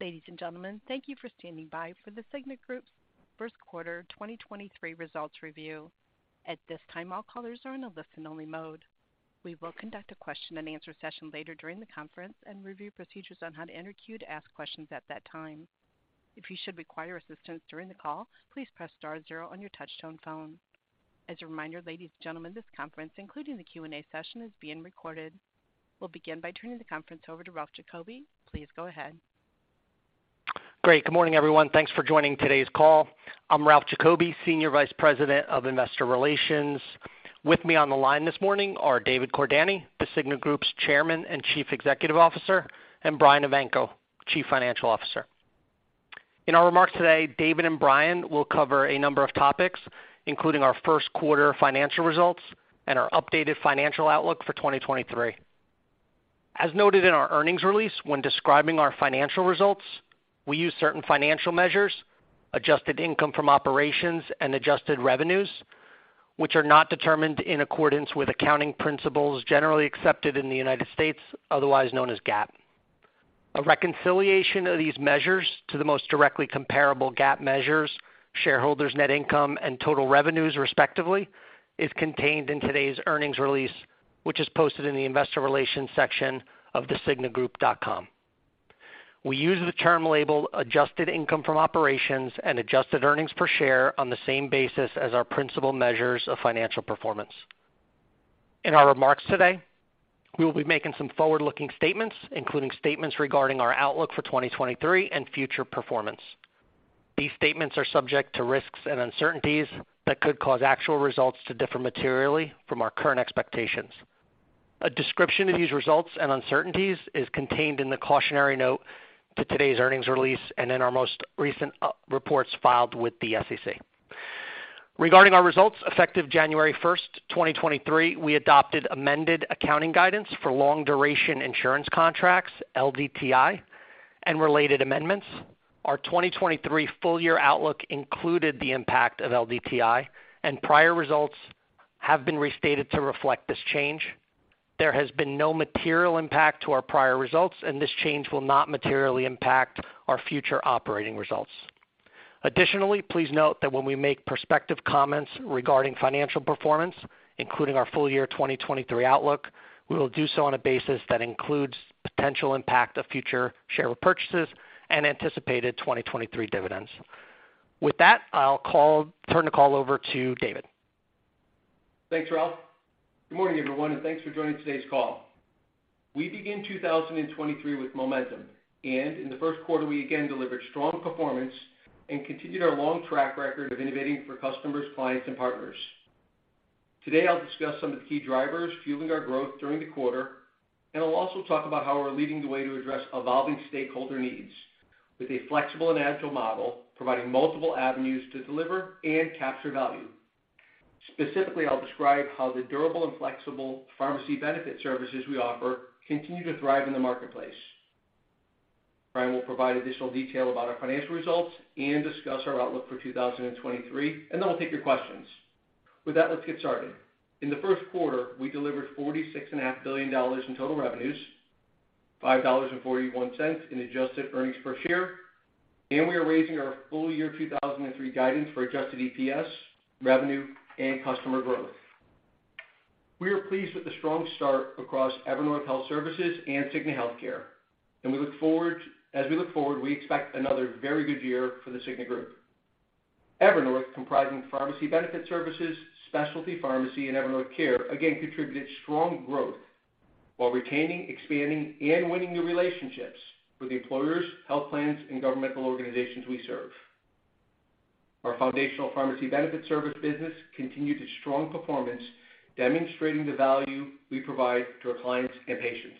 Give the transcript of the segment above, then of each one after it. Ladies and gentlemen, thank you for standing by for The Cigna Group's 1st quarter 2023 results review. At this time, all callers are in a listen only mode. We will conduct a question and answer session later during the conference and review procedures on how to enter queue to ask questions at that time. If you should require assistance during the call, please press *0 on your touch-tone phone. As a reminder, ladies and gentlemen, this conference, including the Q&A session, is being recorded. We'll begin by turning the conference over to Ralph Giacobbe. Please go ahead. Great. Good morning, everyone. Thanks for joining today's call. I'm Ralph Giacobbe, Senior Vice President of Investor Relations. With me on the line this morning are David Cordani, The Cigna Group's Chairman and Chief Executive Officer, and Brian Evanko, Chief Financial Officer. In our remarks today, David and Brian will cover a number of topics, including our first quarter financial results and our updated financial outlook for 2023. As noted in our earnings release, when describing our financial results, we use certain financial measures, adjusted income from operations and adjusted revenues, which are not determined in accordance with accounting principles generally accepted in the United States, otherwise known as GAAP. A reconciliation of these measures to the most directly comparable GAAP measures, shareholders' net income and total revenues, respectively, is contained in today's earnings release, which is posted in the investor relations section of thecignagroup.com. We use the term adjusted income from operations and adjusted earnings per share on the same basis as our principal measures of financial performance. In our remarks today, we will be making some forward-looking statements, including statements regarding our outlook for 2023 and future performance. These statements are subject to risks and uncertainties that could cause actual results to differ materially from our current expectations. A description of these results and uncertainties is contained in the cautionary note to today's earnings release and in our most recent reports filed with the SEC. Regarding our results, effective January 1st, 2023, we adopted amended accounting guidance for long duration insurance contracts, LDTI, and related amendments. Our 2023 full year outlook included the impact of LDTI, and prior results have been restated to reflect this change. There has been no material impact to our prior results, and this change will not materially impact our future operating results. Additionally, please note that when we make prospective comments regarding financial performance, including our full year 2023 outlook, we will do so on a basis that includes potential impact of future share purchases and anticipated 2023 dividends. With that, I'll turn the call over to David. Thanks, Ralph. Good morning, everyone, thanks for joining today's call. We begin 2023 with momentum. In the first quarter, we again delivered strong performance and continued our long track record of innovating for customers, clients and partners. Today, I'll discuss some of the key drivers fueling our growth during the quarter. I'll also talk about how we're leading the way to address evolving stakeholder needs with a flexible and agile model providing multiple avenues to deliver and capture value. Specifically, I'll describe how the durable and flexible pharmacy benefit services we offer continue to thrive in the marketplace. Brian will provide additional detail about our financial results and discuss our outlook for 2023. Then we'll take your questions. With that, let's get started. In the first quarter, we delivered $46.5 billion in total revenues, $5.41 in adjusted earnings per share. We are raising our full year 2023 guidance for adjusted EPS, revenue and customer growth. We are pleased with the strong start across Evernorth Health Services and Cigna Healthcare. As we look forward, we expect another very good year for The Cigna Group. Evernorth, comprising pharmacy benefit services, specialty pharmacy, and Evernorth Care, again contributed strong growth while retaining, expanding, and winning new relationships with the employers, health plans, and governmental organizations we serve. Our foundational pharmacy benefit service business continued its strong performance, demonstrating the value we provide to our clients and patients.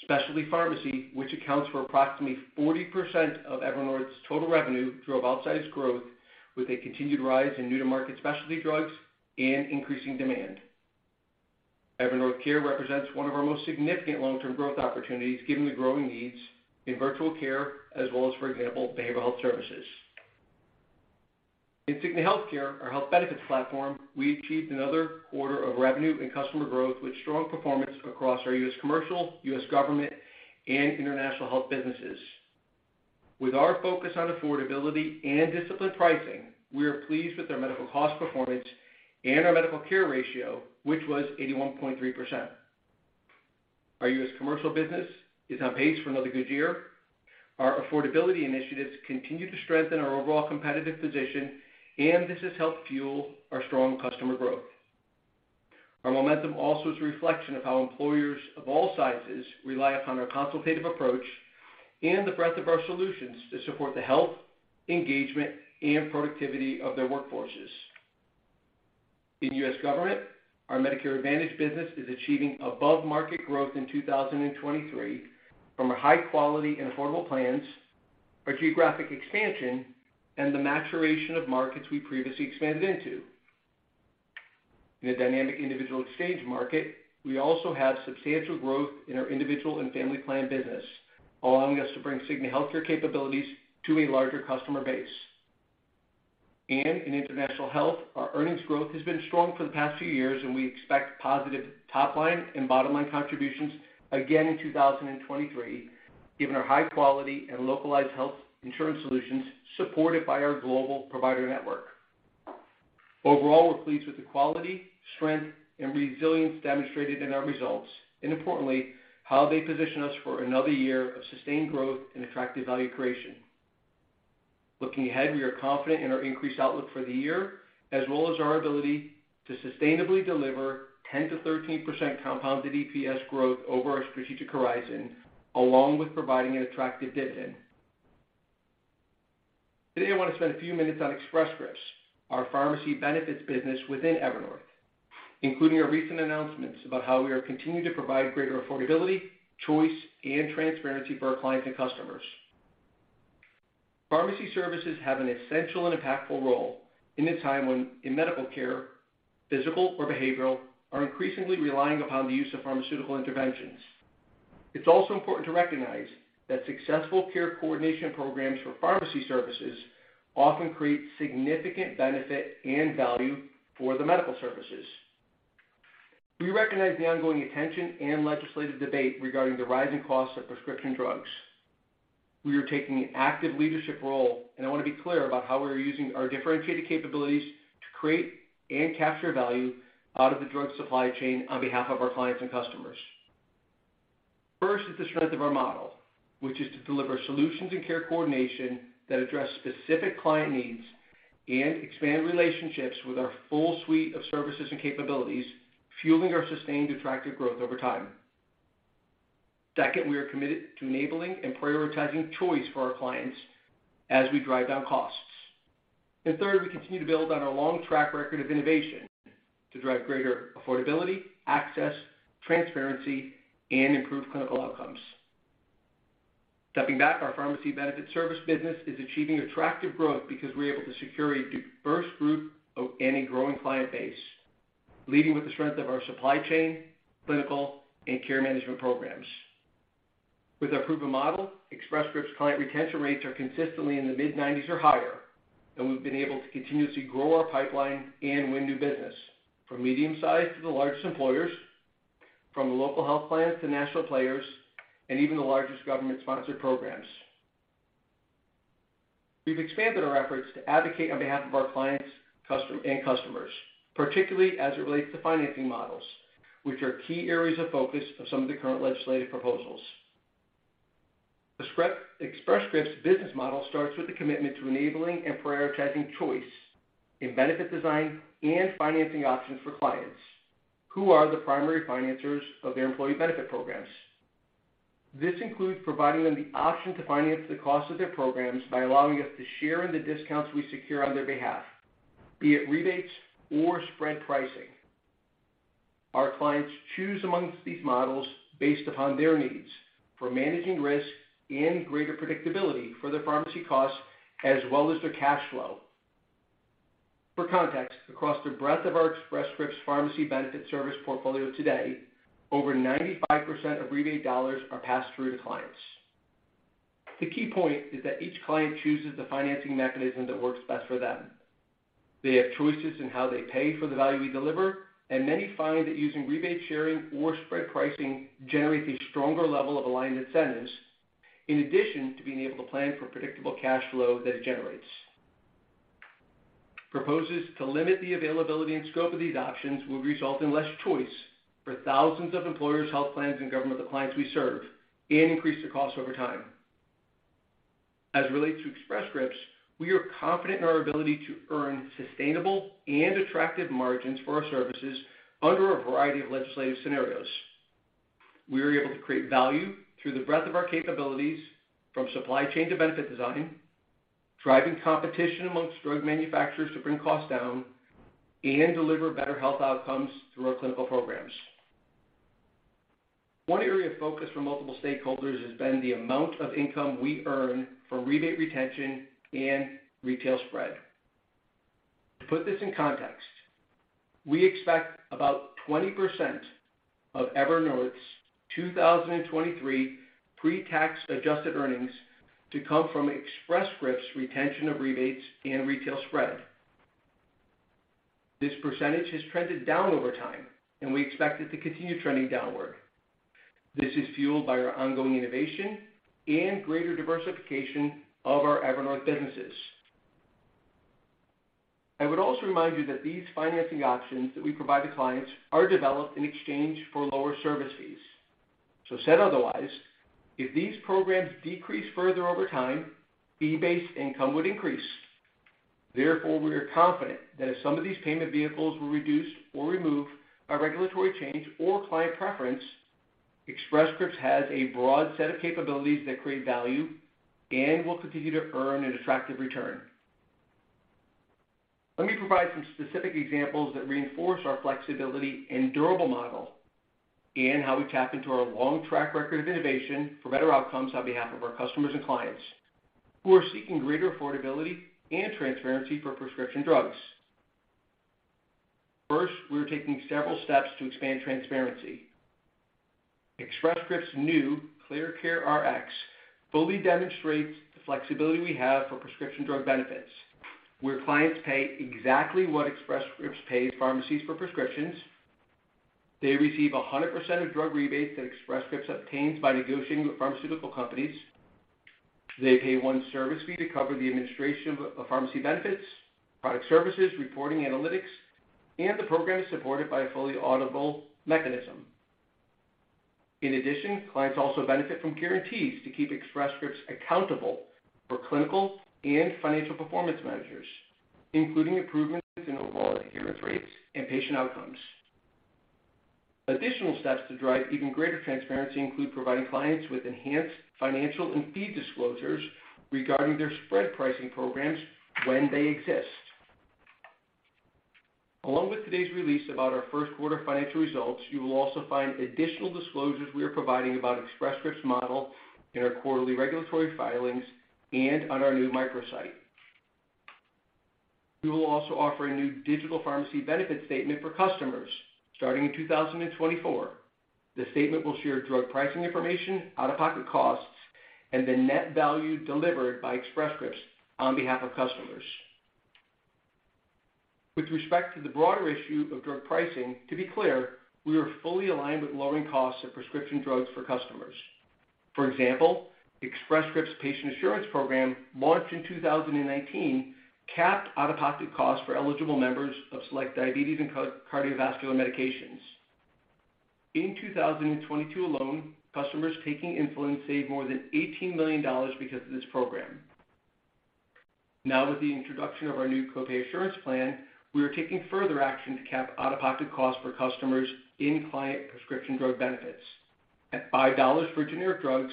Specialty pharmacy, which accounts for approximately 40% of Evernorth's total revenue, drove outsized growth with a continued rise in new to market specialty drugs and increasing demand. Evernorth Care represents one of our most significant long-term growth opportunities, given the growing needs in virtual care as well as, for example, behavioral health services. In Cigna Healthcare, our health benefits platform, we achieved another quarter of revenue and customer growth with strong performance across our U.S. commercial, U.S. government, and international health businesses. With our focus on affordability and disciplined pricing, we are pleased with our medical cost performance and our medical care ratio, which was 81.3%. Our U.S. commercial business is on pace for another good year. Our affordability initiatives continue to strengthen our overall competitive position. This has helped fuel our strong customer growth. Our momentum also is a reflection of how employers of all sizes rely upon our consultative approach and the breadth of our solutions to support the health, engagement, and productivity of their workforces. In U.S. government, our Medicare Advantage business is achieving above-market growth in 2023 from our high quality and affordable plans, our geographic expansion, and the maturation of markets we previously expanded into. In a dynamic individual exchange market, we also have substantial growth in our individual and family plan business, allowing us to bring Cigna Healthcare capabilities to a larger customer base. In international health, our earnings growth has been strong for the past few years, and we expect positive top line and bottom line contributions again in 2023, given our high quality and localized health insurance solutions supported by our global provider network. Overall, we're pleased with the quality, strength, and resilience demonstrated in our results, and importantly, how they position us for another year of sustained growth and attractive value creation. Looking ahead, we are confident in our increased outlook for the year, as well as our ability to sustainably deliver 10%-13% compounded EPS growth over our strategic horizon, along with providing an attractive dividend. Today, I want to spend a few minutes on Express Scripts, our pharmacy benefits business within Evernorth, including our recent announcements about how we are continuing to provide greater affordability, choice, and transparency for our clients and customers. Pharmacy services have an essential and impactful role in a time when, in medical care, physical or behavioral, are increasingly relying upon the use of pharmaceutical interventions. It's also important to recognize that successful care coordination programs for pharmacy services often create significant benefit and value for the medical services. We recognize the ongoing attention and legislative debate regarding the rising costs of prescription drugs. We are taking an active leadership role, and I want to be clear about how we are using our differentiated capabilities to create and capture value out of the drug supply chain on behalf of our clients and customers. First is the strength of our model, which is to deliver solutions and care coordination that address specific client needs and expand relationships with our full suite of services and capabilities, fueling our sustained attractive growth over time. Second, we are committed to enabling and prioritizing choice for our clients as we drive down costs. Third, we continue to build on our long track record of innovation to drive greater affordability, access, transparency, and improved clinical outcomes. Stepping back, our pharmacy benefit service business is achieving attractive growth because we're able to secure a diverse group of and a growing client base, leading with the strength of our supply chain, clinical, and care management programs. With our proven model, Express Scripts client retention rates are consistently in the mid-90s or higher, and we've been able to continuously grow our pipeline and win new business from medium-sized to the largest employers, from the local health plans to national players, and even the largest government-sponsored programs. We've expanded our efforts to advocate on behalf of our clients and customers, particularly as it relates to financing models, which are key areas of focus for some of the current legislative proposals. Express Scripts' business model starts with the commitment to enabling and prioritizing choice in benefit design and financing options for clients who are the primary financers of their employee benefit programs. This includes providing them the option to finance the cost of their programs by allowing us to share in the discounts we secure on their behalf, be it rebates or spread pricing. Our clients choose amongst these models based upon their needs for managing risk and greater predictability for their pharmacy costs as well as their cash flow. For context, across the breadth of our Express Scripts pharmacy benefit service portfolio today, over 95% of rebate dollars are passed through to clients. The key point is that each client chooses the financing mechanism that works best for them. They have choices in how they pay for the value we deliver. Many find that using rebate sharing or spread pricing generates a stronger level of aligned incentives, in addition to being able to plan for predictable cash flow that it generates. Proposals to limit the availability and scope of these options will result in less choice for thousands of employers, health plans, and government clients we serve and increase their costs over time. As it relates to Express Scripts, we are confident in our ability to earn sustainable and attractive margins for our services under a variety of legislative scenarios. We are able to create value through the breadth of our capabilities from supply chain to benefit design, driving competition amongst drug manufacturers to bring costs down and deliver better health outcomes through our clinical programs. One area of focus for multiple stakeholders has been the amount of income we earn from rebate retention and retail spread. To put this in context, we expect about 20% of Evernorth's 2023 pre-tax adjusted earnings to come from Express Scripts retention of rebates and retail spread. This percentage has trended down over time, and we expect it to continue trending downward. This is fueled by our ongoing innovation and greater diversification of our Evernorth businesses. Said otherwise, if these programs decrease further over time, fee-based income would increase. Therefore, we are confident that if some of these payment vehicles were reduced or removed by regulatory change or client preference, Express Scripts has a broad set of capabilities that create value and will continue to earn an attractive return. Let me provide some specific examples that reinforce our flexibility and durable model, and how we tap into our long track record of innovation for better outcomes on behalf of our customers and clients who are seeking greater affordability and transparency for prescription drugs. First, we are taking several steps to expand transparency. Express Scripts new ClearCareRx fully demonstrates the flexibility we have for prescription drug benefits, where clients pay exactly what Express Scripts pays pharmacies for prescriptions. They receive 100% of drug rebates that Express Scripts obtains by negotiating with pharmaceutical companies. They pay one service fee to cover the administration of pharmacy benefits, product services, reporting analytics, and the program is supported by a fully auditable mechanism. In addition, clients also benefit from guarantees to keep Express Scripts accountable for clinical and financial performance measures, including improvements in overall adherence rates and patient outcomes. Additional steps to drive even greater transparency include providing clients with enhanced financial and fee disclosures regarding their spread pricing programs when they exist. Along with today's release about our first quarter financial results, you will also find additional disclosures we are providing about Express Scripts model in our quarterly regulatory filings and on our new microsite. We will also offer a new digital pharmacy benefit statement for customers starting in 2024. The statement will share drug pricing information, out-of-pocket costs, and the net value delivered by Express Scripts on behalf of customers. With respect to the broader issue of drug pricing, to be clear, we are fully aligned with lowering costs of prescription drugs for customers. For example, Express Scripts Patient Assurance Program, launched in 2019, capped out-of-pocket costs for eligible members of select diabetes and cardiovascular medications. In 2022 alone, customers taking insulin saved more than $18 million because of this program. Now, with the introduction of our new Copay Assurance Plan, we are taking further action to cap out-of-pocket costs for customers in client prescription drug benefits at $5 for generic drugs,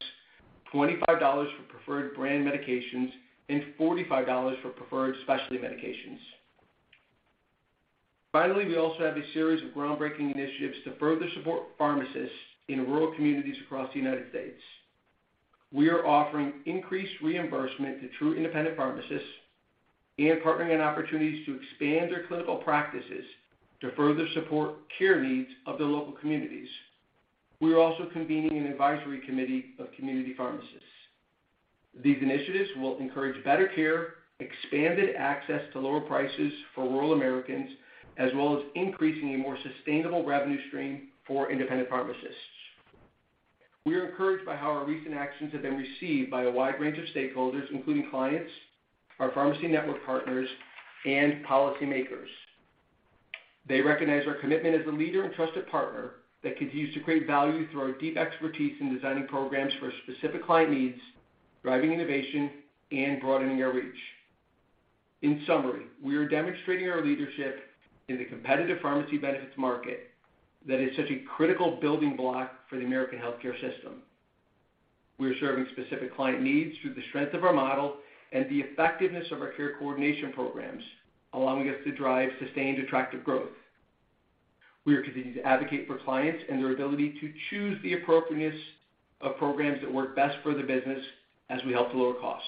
$25 for preferred brand medications, and $45 for preferred specialty medications. Finally, we also have a series of groundbreaking initiatives to further support pharmacists in rural communities across the United States. We are offering increased reimbursement to true independent pharmacists and partnering on opportunities to expand their clinical practices to further support care needs of their local communities. We are also convening an advisory committee of community pharmacists. These initiatives will encourage better care, expanded access to lower prices for rural Americans, as well as increasing a more sustainable revenue stream for independent pharmacists. We are encouraged by how our recent actions have been received by a wide range of stakeholders, including clients, our pharmacy network partners, and policymakers. They recognize our commitment as a leader and trusted partner that continues to create value through our deep expertise in designing programs for specific client needs, driving innovation and broadening our reach. In summary, we are demonstrating our leadership in the competitive pharmacy benefits market that is such a critical building block for the American healthcare system. We are serving specific client needs through the strength of our model and the effectiveness of our care coordination programs, allowing us to drive sustained, attractive growth. We are continuing to advocate for clients and their ability to choose the appropriateness of programs that work best for their business as we help to lower costs.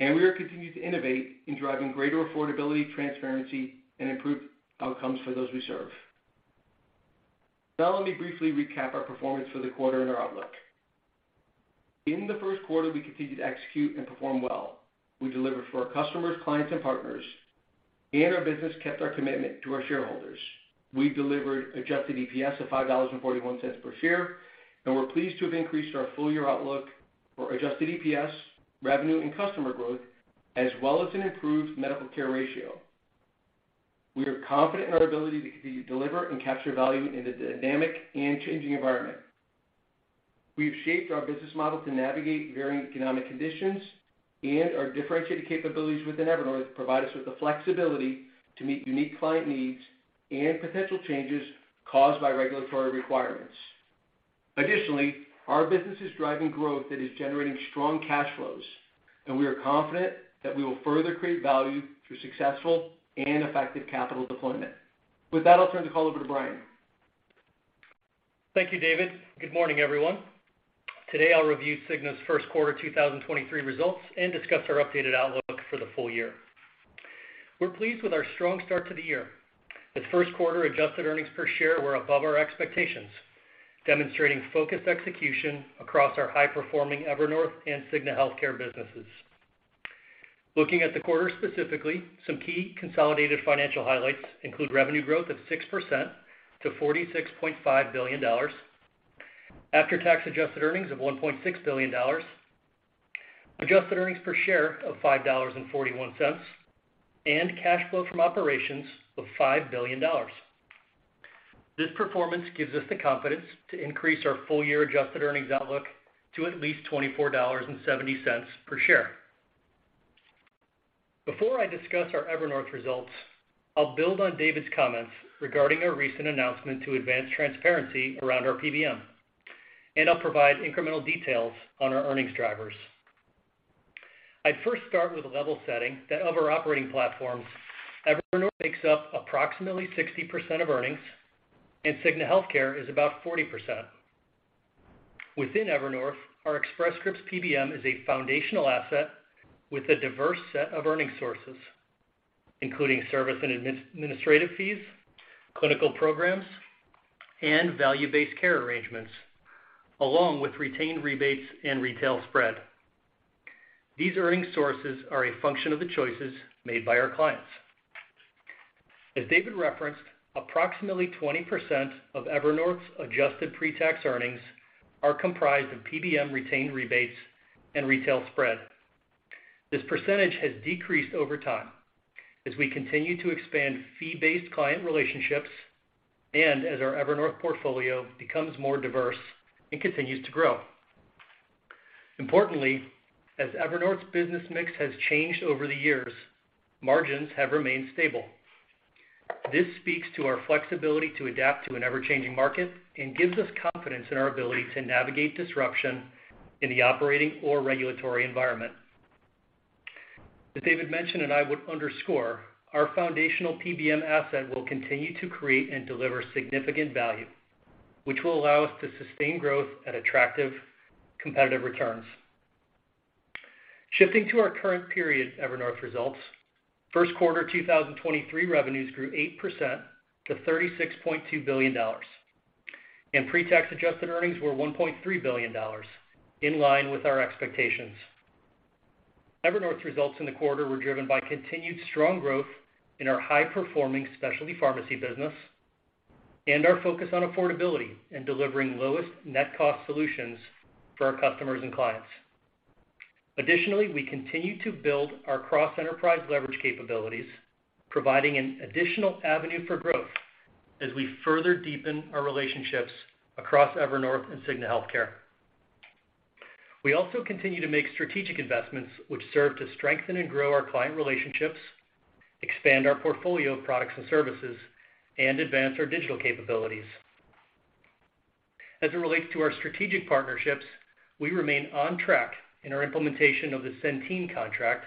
We are continuing to innovate in driving greater affordability, transparency and improved outcomes for those we serve. Now, let me briefly recap our performance for the quarter and our outlook. In the first quarter, we continued to execute and perform well. We delivered for our customers, clients, and partners, and our business kept our commitment to our shareholders. We delivered adjusted EPS of $5.41 per share, and we're pleased to have increased our full-year outlook for adjusted EPS, revenue, and customer growth, as well as an improved medical care ratio. We are confident in our ability to continue to deliver and capture value in a dynamic and changing environment. We have shaped our business model to navigate varying economic conditions, and our differentiated capabilities within Evernorth provide us with the flexibility to meet unique client needs and potential changes caused by regulatory requirements. Additionally, our business is driving growth that is generating strong cash flows, and we are confident that we will further create value through successful and effective capital deployment. With that, I'll turn the call over to Brian. Thank you, David. Good morning, everyone. Today, I'll review The Cigna Group's first quarter 2023 results and discuss our updated outlook for the full-year. We're pleased with our strong start to the year, as first quarter adjusted earnings per share were above our expectations, demonstrating focused execution across our high-performing Evernorth and Cigna Healthcare businesses. Looking at the quarter specifically, some key consolidated financial highlights include revenue growth of 6% to $46.5 billion, after-tax adjusted earnings of $1.6 billion, adjusted earnings per share of $5.41, and cash flow from operations of $5 billion. This performance gives us the confidence to increase our full-year adjusted earnings outlook to at least $24.70 per share. Before I discuss our Evernorth results, I'll build on David's comments regarding our recent announcement to advance transparency around our PBM, and I'll provide incremental details on our earnings drivers. I'd first start with a level setting that of our operating platforms, Evernorth makes up approximately 60% of earnings and Cigna Healthcare is about 40%. Within Evernorth, our Express Scripts PBM is a foundational asset with a diverse set of earning sources, including service and administrative fees, clinical programs, and value-based care arrangements, along with retained rebates and retail spread. These earning sources are a function of the choices made by our clients. As David referenced, approximately 20% of Evernorth's adjusted pre-tax earnings are comprised of PBM retained rebates and retail spread. This percentage has decreased over time as we continue to expand fee-based client relationships and as our Evernorth portfolio becomes more diverse and continues to grow. Importantly, as Evernorth's business mix has changed over the years, margins have remained stable. This speaks to our flexibility to adapt to an ever-changing market and gives us confidence in our ability to navigate disruption in the operating or regulatory environment. As David mentioned, and I would underscore, our foundational PBM asset will continue to create and deliver significant value, which will allow us to sustain growth at attractive competitive returns. Shifting to our current period Evernorth results, first quarter 2023 revenues grew 8% to $36.2 billion, and pre-tax adjusted earnings were $1.3 billion, in line with our expectations. Evernorth's results in the quarter were driven by continued strong growth in our high-performing specialty pharmacy business and our focus on affordability and delivering lowest net cost solutions for our customers and clients. Additionally, we continue to build our cross-enterprise leverage capabilities, providing an additional avenue for growth as we further deepen our relationships across Evernorth and Cigna Healthcare. We also continue to make strategic investments which serve to strengthen and grow our client relationships, expand our portfolio of products and services, and advance our digital capabilities. As it relates to our strategic partnerships, we remain on track in our implementation of the Centene contract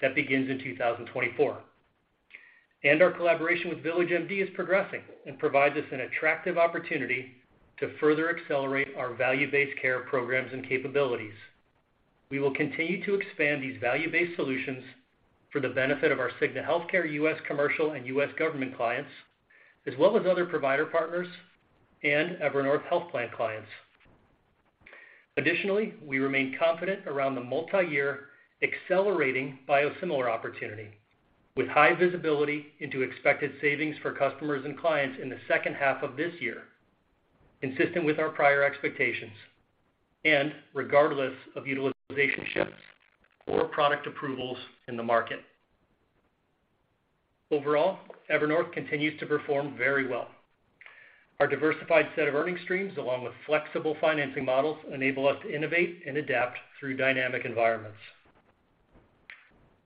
that begins in 2024. Our collaboration with VillageMD is progressing and provides us an attractive opportunity to further accelerate our value-based care programs and capabilities. We will continue to expand these value-based solutions for the benefit of our Cigna Healthcare U.S. Commercial and U.S. Government clients, as well as other provider partners and Evernorth health plan clients. Additionally, we remain confident around the multiyear accelerating biosimilar opportunity with high visibility into expected savings for customers and clients in the second half of this year, consistent with our prior expectations and regardless of utilization shifts or product approvals in the market. Overall, Evernorth continues to perform very well. Our diversified set of earning streams, along with flexible financing models, enable us to innovate and adapt through dynamic environments.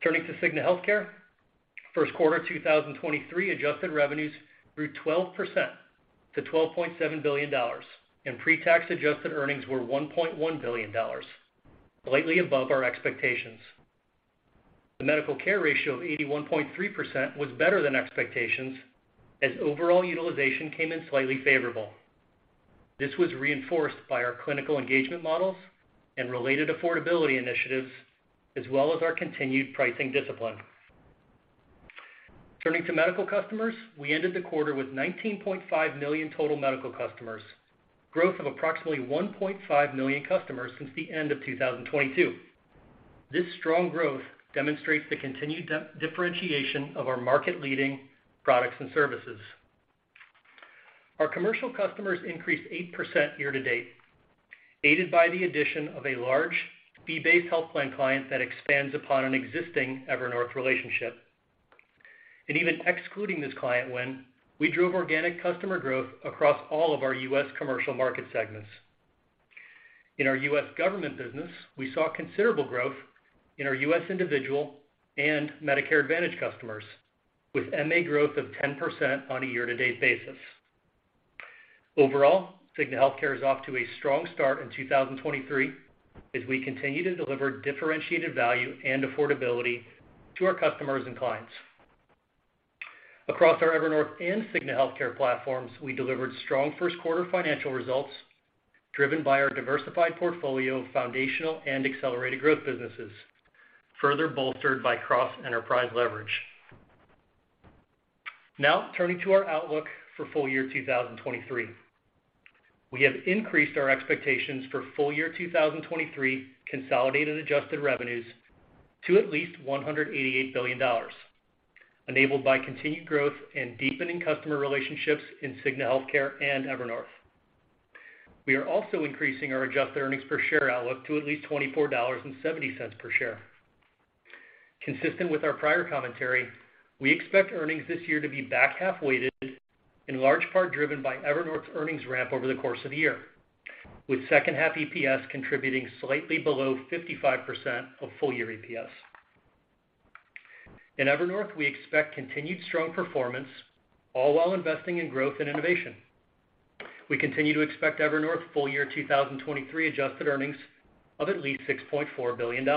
Turning to Cigna Healthcare, first quarter 2023 adjusted revenues grew 12% to $12.7 billion, and pre-tax adjusted earnings were $1.1 billion, slightly above our expectations. The medical care ratio of 81.3% was better than expectations as overall utilization came in slightly favorable. This was reinforced by our clinical engagement models and related affordability initiatives, as well as our continued pricing discipline. Turning to medical customers, we ended the quarter with 19.5 million total medical customers, growth of approximately 1.5 million customers since the end of 2022. This strong growth demonstrates the continued de-differentiation of our market-leading products and services. Our commercial customers increased 8% year to date, aided by the addition of a large fee-based health plan client that expands upon an existing Evernorth relationship. Even excluding this client win, we drove organic customer growth across all of our U.S. commercial market segments. In our U.S. Government business, we saw considerable growth in our U.S. Individual and Medicare Advantage customers, with MA growth of 10% on a year to date basis. Overall, Cigna Healthcare is off to a strong start in 2023 as we continue to deliver differentiated value and affordability to our customers and clients. Across our Evernorth and Cigna Healthcare platforms, we delivered strong first quarter financial results driven by our diversified portfolio of foundational and accelerated growth businesses, further bolstered by cross-enterprise leverage. Turning to our outlook for full year 2023. We have increased our expectations for full year 2023 consolidated adjusted revenues to at least $188 billion, enabled by continued growth and deepening customer relationships in Cigna Healthcare and Evernorth. We are also increasing our adjusted earnings per share outlook to at least $24.70 per share. Consistent with our prior commentary, we expect earnings this year to be back-half weighted, in large part driven by Evernorth's earnings ramp over the course of the year, with second half EPS contributing slightly below 55% of full year EPS. In Evernorth, we expect continued strong performance, all while investing in growth and innovation. We continue to expect Evernorth full year 2023 adjusted earnings of at least $6.4 billion.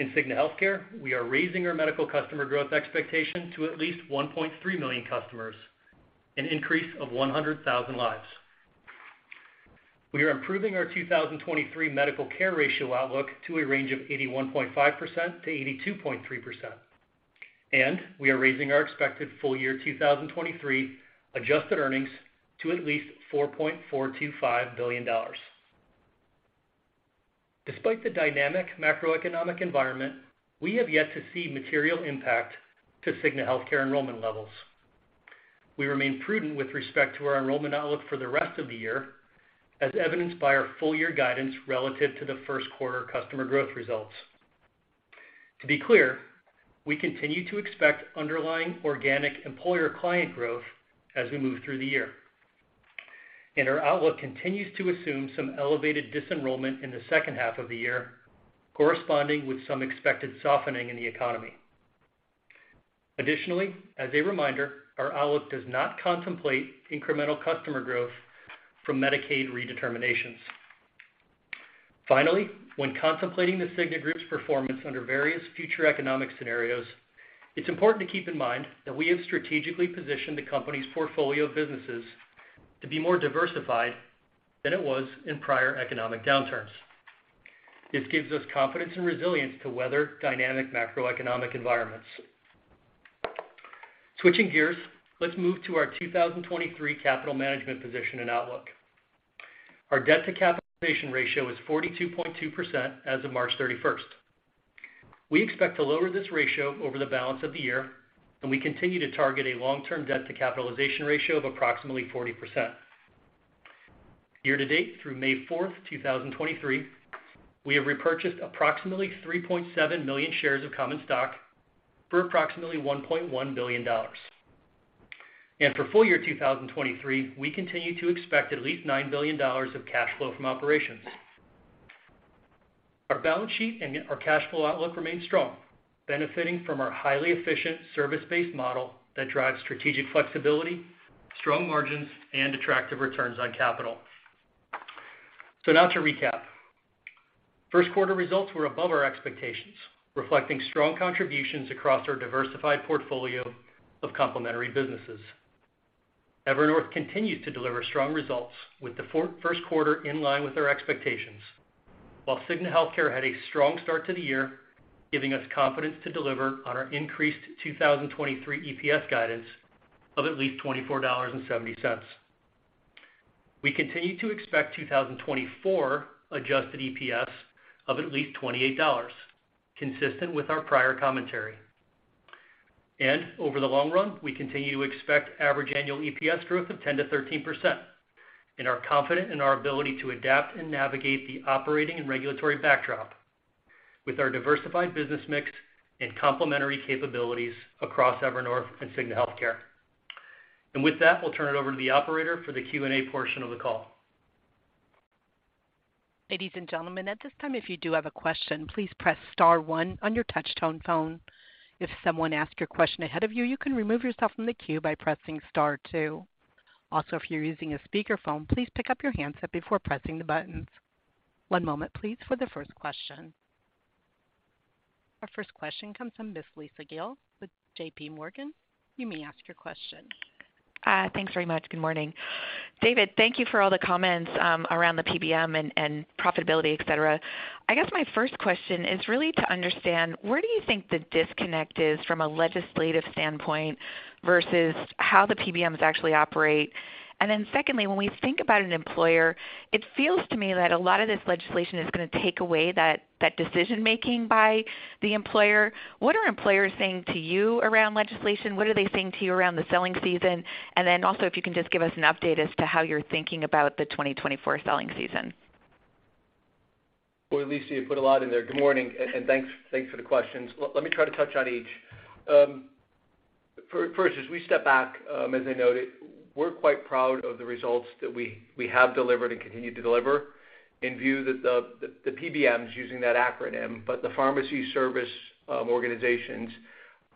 In Cigna Healthcare, we are raising our medical customer growth expectation to at least 1.3 million customers, an increase of 100,000 lives. We are improving our 2023 medical care ratio outlook to a range of 81.5%-82.3%. We are raising our expected full year 2023 adjusted earnings to at least $4.425 billion. Despite the dynamic macroeconomic environment, we have yet to see material impact to Cigna Healthcare enrollment levels. We remain prudent with respect to our enrollment outlook for the rest of the year, as evidenced by our full year guidance relative to the first quarter customer growth results. To be clear, we continue to expect underlying organic employer client growth as we move through the year, and our outlook continues to assume some elevated disenrollment in the second half of the year, corresponding with some expected softening in the economy. Additionally, as a reminder, our outlook does not contemplate incremental customer growth from Medicaid redeterminations. Finally, when contemplating The Cigna Group's performance under various future economic scenarios, it's important to keep in mind that we have strategically positioned the company's portfolio of businesses to be more diversified than it was in prior economic downturns. This gives us confidence and resilience to weather dynamic macroeconomic environments. Switching gears, let's move to our 2023 capital management position and outlook. Our debt to capitalization ratio is 42.2% as of March 31st. We expect to lower this ratio over the balance of the year, and we continue to target a long-term debt to capitalization ratio of approximately 40%. Year to date through May 4th, 2023, we have repurchased approximately 3.7 million shares of common stock for approximately $1.1 billion. For full year 2023, we continue to expect at least $9 billion of cash flow from operations. Our balance sheet and our cash flow outlook remain strong, benefiting from our highly efficient service-based model that drives strategic flexibility, strong margins, and attractive returns on capital. Now to recap. First quarter results were above our expectations, reflecting strong contributions across our diversified portfolio of complementary businesses. Evernorth continued to deliver strong results with the first quarter in line with our expectations, while Cigna Healthcare had a strong start to the year, giving us confidence to deliver on our increased 2023 EPS guidance of at least $24.70. We continue to expect 2024 adjusted EPS of at least $28, consistent with our prior commentary. Over the long run, we continue to expect average annual EPS growth of 10%-13% and are confident in our ability to adapt and navigate the operating and regulatory backdrop with our diversified business mix and complementary capabilities across Evernorth and Cigna Healthcare. With that, we'll turn it over to the operator for the Q&A portion of the call. Ladies and gentlemen, at this time, if you do have a question, please press star one on your touch-tone phone. If someone asks your question ahead of you can remove yourself from the queue by pressing star two. Also, if you're using a speakerphone, please pick up your handset before pressing the buttons. One moment, please, for the first question. Our first question comes from Miss Lisa Gill with JPMorgan. You may ask your question. Thanks very much. Good morning. David, thank you for all the comments around the PBM and profitability, et cetera. I guess my first question is really to understand where do you think the disconnect is from a legislative standpoint versus how the PBMs actually operate? Secondly, when we think about an employer, it feels to me that a lot of this legislation is going to take away that decision-making by the employer. What are employers saying to you around legislation? What are they saying to you around the selling season? Also if you can just give us an update as to how you're thinking about the 2024 selling season. Well, Lisa, you put a lot in there. Good morning, and thanks for the questions. Let me try to touch on each. First, as we step back, as I noted, we're quite proud of the results that we have delivered and continue to deliver in view that the PBMs using that acronym, but the pharmacy service organizations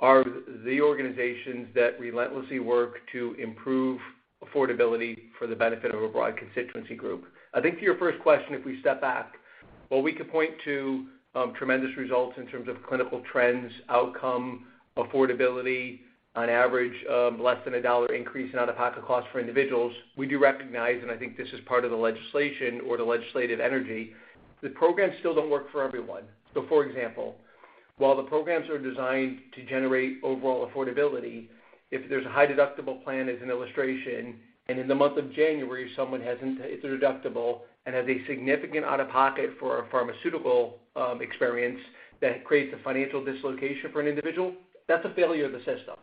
are the organizations that relentlessly work to improve affordability for the benefit of a broad constituency group. I think to your first question, if we step back, while we could point to tremendous results in terms of clinical trends, outcome, affordability, on average, less than a $1 increase in out-of-pocket costs for individuals, we do recognize, and I think this is part of the legislation or the legislative energy, the programs still don't work for everyone. For example, while the programs are designed to generate overall affordability, if there's a high deductible plan as an illustration, and in the month of January, someone hasn't hit their deductible and has a significant out-of-pocket for a pharmaceutical experience that creates a financial dislocation for an individual, that's a failure of the system,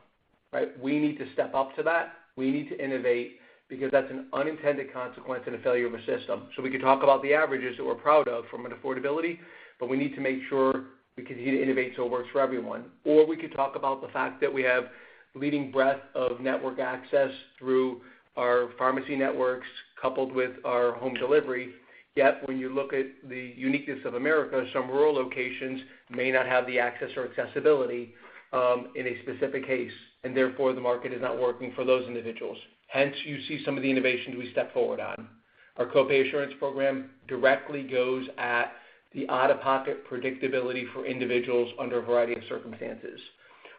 right? We need to step up to that. We need to innovate because that's an unintended consequence and a failure of a system. We can talk about the averages that we're proud of from an affordability, but we need to make sure we continue to innovate so it works for everyone. We could talk about the fact that we have leading breadth of network access through our pharmacy networks coupled with our home delivery. When you look at the uniqueness of America, some rural locations may not have the access or accessibility in a specific case, and therefore the market is not working for those individuals. You see some of the innovations we step forward on. Our Copay Assurance Program directly goes at the out-of-pocket predictability for individuals under a variety of circumstances.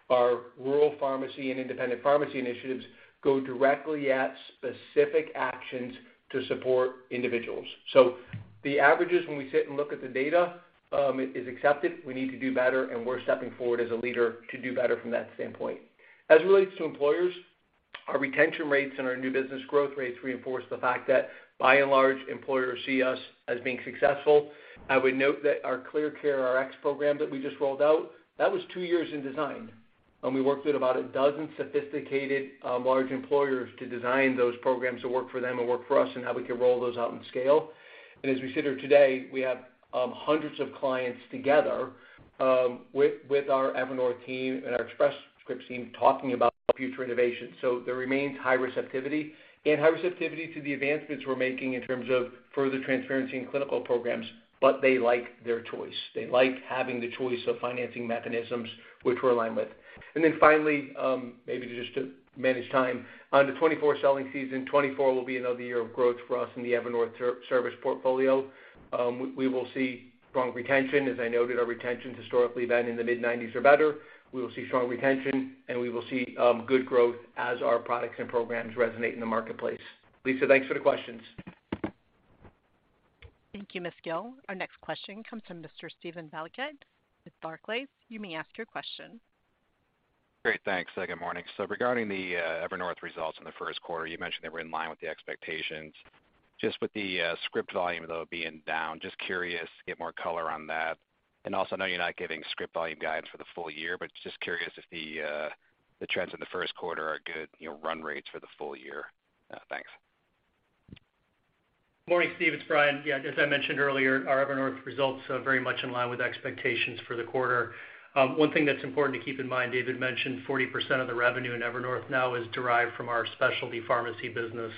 Our rural pharmacy and independent pharmacy initiatives go directly at specific actions to support individuals. The averages, when we sit and look at the data, is accepted. We need to do better, and we're stepping forward as a leader to do better from that standpoint. As it relates to employers, our retention rates and our new business growth rates reinforce the fact that by and large, employers see us as being successful. I would note that our ClearCareRx program that we just rolled out, that was two years in design, and we worked with about a dozen sophisticated, large employers to design those programs to work for them and work for us and how we could roll those out and scale. As we sit here today, we have hundreds of clients together with our Evernorth team and our Express Scripts team talking about future innovations. There remains high receptivity and high receptivity to the advancements we're making in terms of further transparency and clinical programs, but they like their choice. They like having the choice of financing mechanisms which we're aligned with. Then finally, maybe just to manage time. On the 2024 selling season, 2024 will be another year of growth for us in the Evernorth service portfolio. We will see strong retention. As I noted, our retention's historically been in the mid-90s or better. We will see strong retention, and we will see good growth as our products and programs resonate in the marketplace. Lisa, thanks for the questions. Thank you, Ms. Gill. Our next question comes from Mr. Steven Valiquette with Barclays. You may ask your question. Great. Thanks. Good morning. Regarding the Evernorth results in the first quarter, you mentioned they were in line with the expectations. Just with the script volume, though, being down, just curious to get more color on that. Also, I know you're not giving script volume guidance for the full year, but just curious if the trends in the first quarter are good, you know, run rates for the full year. Thanks. Morning, Steve. It's Brian. Yeah, as I mentioned earlier, our Evernorth results are very much in line with expectations for the quarter. One thing that's important to keep in mind, David mentioned 40% of the revenue in Evernorth now is derived from our specialty pharmacy business.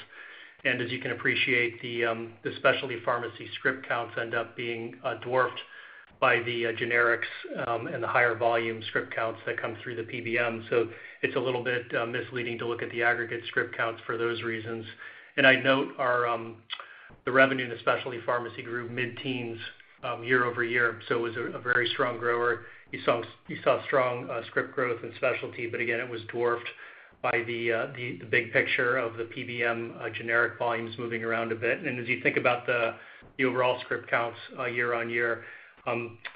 As you can appreciate the specialty pharmacy script counts end up being dwarfed by the generics and the higher volume script counts that come through the PBM. It's a little bit misleading to look at the aggregate script counts for those reasons. I'd note our the revenue in the specialty pharmacy grew mid-teens year-over-year, so it was a very strong grower. You saw strong script growth in specialty, but again, it was dwarfed by the big picture of the PBM generic volumes moving around a bit. As you think about the overall script counts year on year,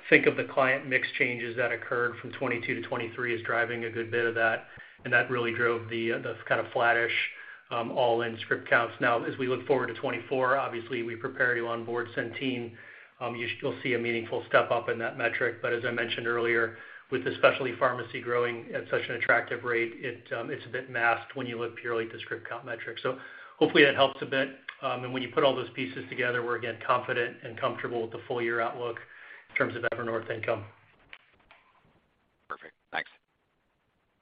think of the client mix changes that occurred from 2022 to 2023 as driving a good bit of that, and that really drove the kind of flattish all-in script counts. As we look forward to 2024, obviously, we prepare to onboard Centene. You'll see a meaningful step-up in that metric. As I mentioned earlier, with the specialty pharmacy growing at such an attractive rate, it's a bit masked when you look purely at the script count metric. Hopefully that helps a bit. When you put all those pieces together, we're again confident and comfortable with the full year outlook in terms of Evernorth income. Perfect. Thanks.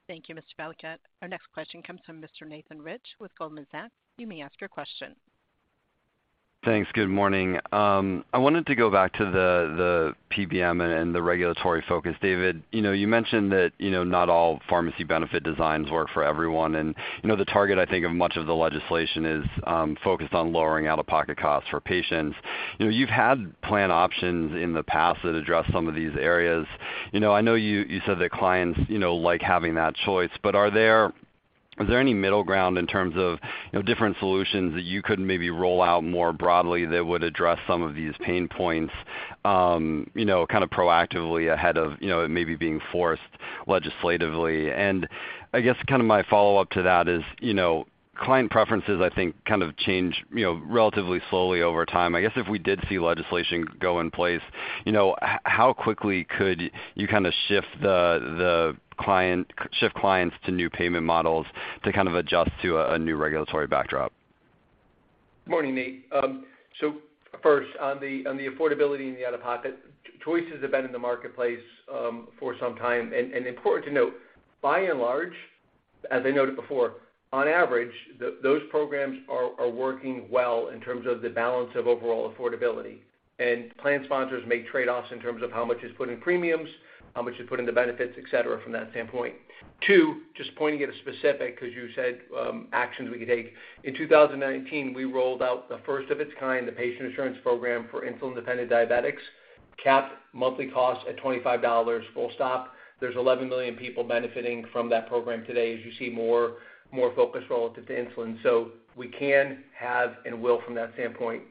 Thank you, Mr. Valiquette. Our next question comes from Mr. Nathan Rich with Goldman Sachs. You may ask your question. Thanks. Good morning. I wanted to go back to the PBM and the regulatory focus. David, you know, you mentioned that, you know, not all pharmacy benefit designs work for everyone. You know, the target, I think, of much of the legislation is focused on lowering out-of-pocket costs for patients. You know, you've had plan options in the past that address some of these areas. You know, I know you said that clients, you know, like having that choice, but is there any middle ground in terms of, you know, different solutions that you could maybe roll out more broadly that would address some of these pain points, you know, kind of proactively ahead of, you know, it maybe being forced legislatively? I guess kind of my follow-up to that is, you know, client preferences, I think, kind of change, you know, relatively slowly over time. I guess if we did see legislation go in place, you know, how quickly could you kind of shift clients to new payment models to kind of adjust to a new regulatory backdrop? Morning, Nate. First, on the affordability and the out-of-pocket, choices have been in the marketplace for some time. Important to note, by and large, as I noted before, on average, those programs are working well in terms of the balance of overall affordability. Plan sponsors make trade-offs in terms of how much is put in premiums, how much is put into benefits, et cetera, from that standpoint. Two, just pointing at a specific, 'cause you said, actions we could take. In 2019, we rolled out the first of its kind, the Patient Assurance Program for insulin-dependent diabetics, capped monthly costs at $25, full stop. There's 11 million people benefiting from that program today, as you see more focus relative to insulin. We can, have, and will from that standpoint.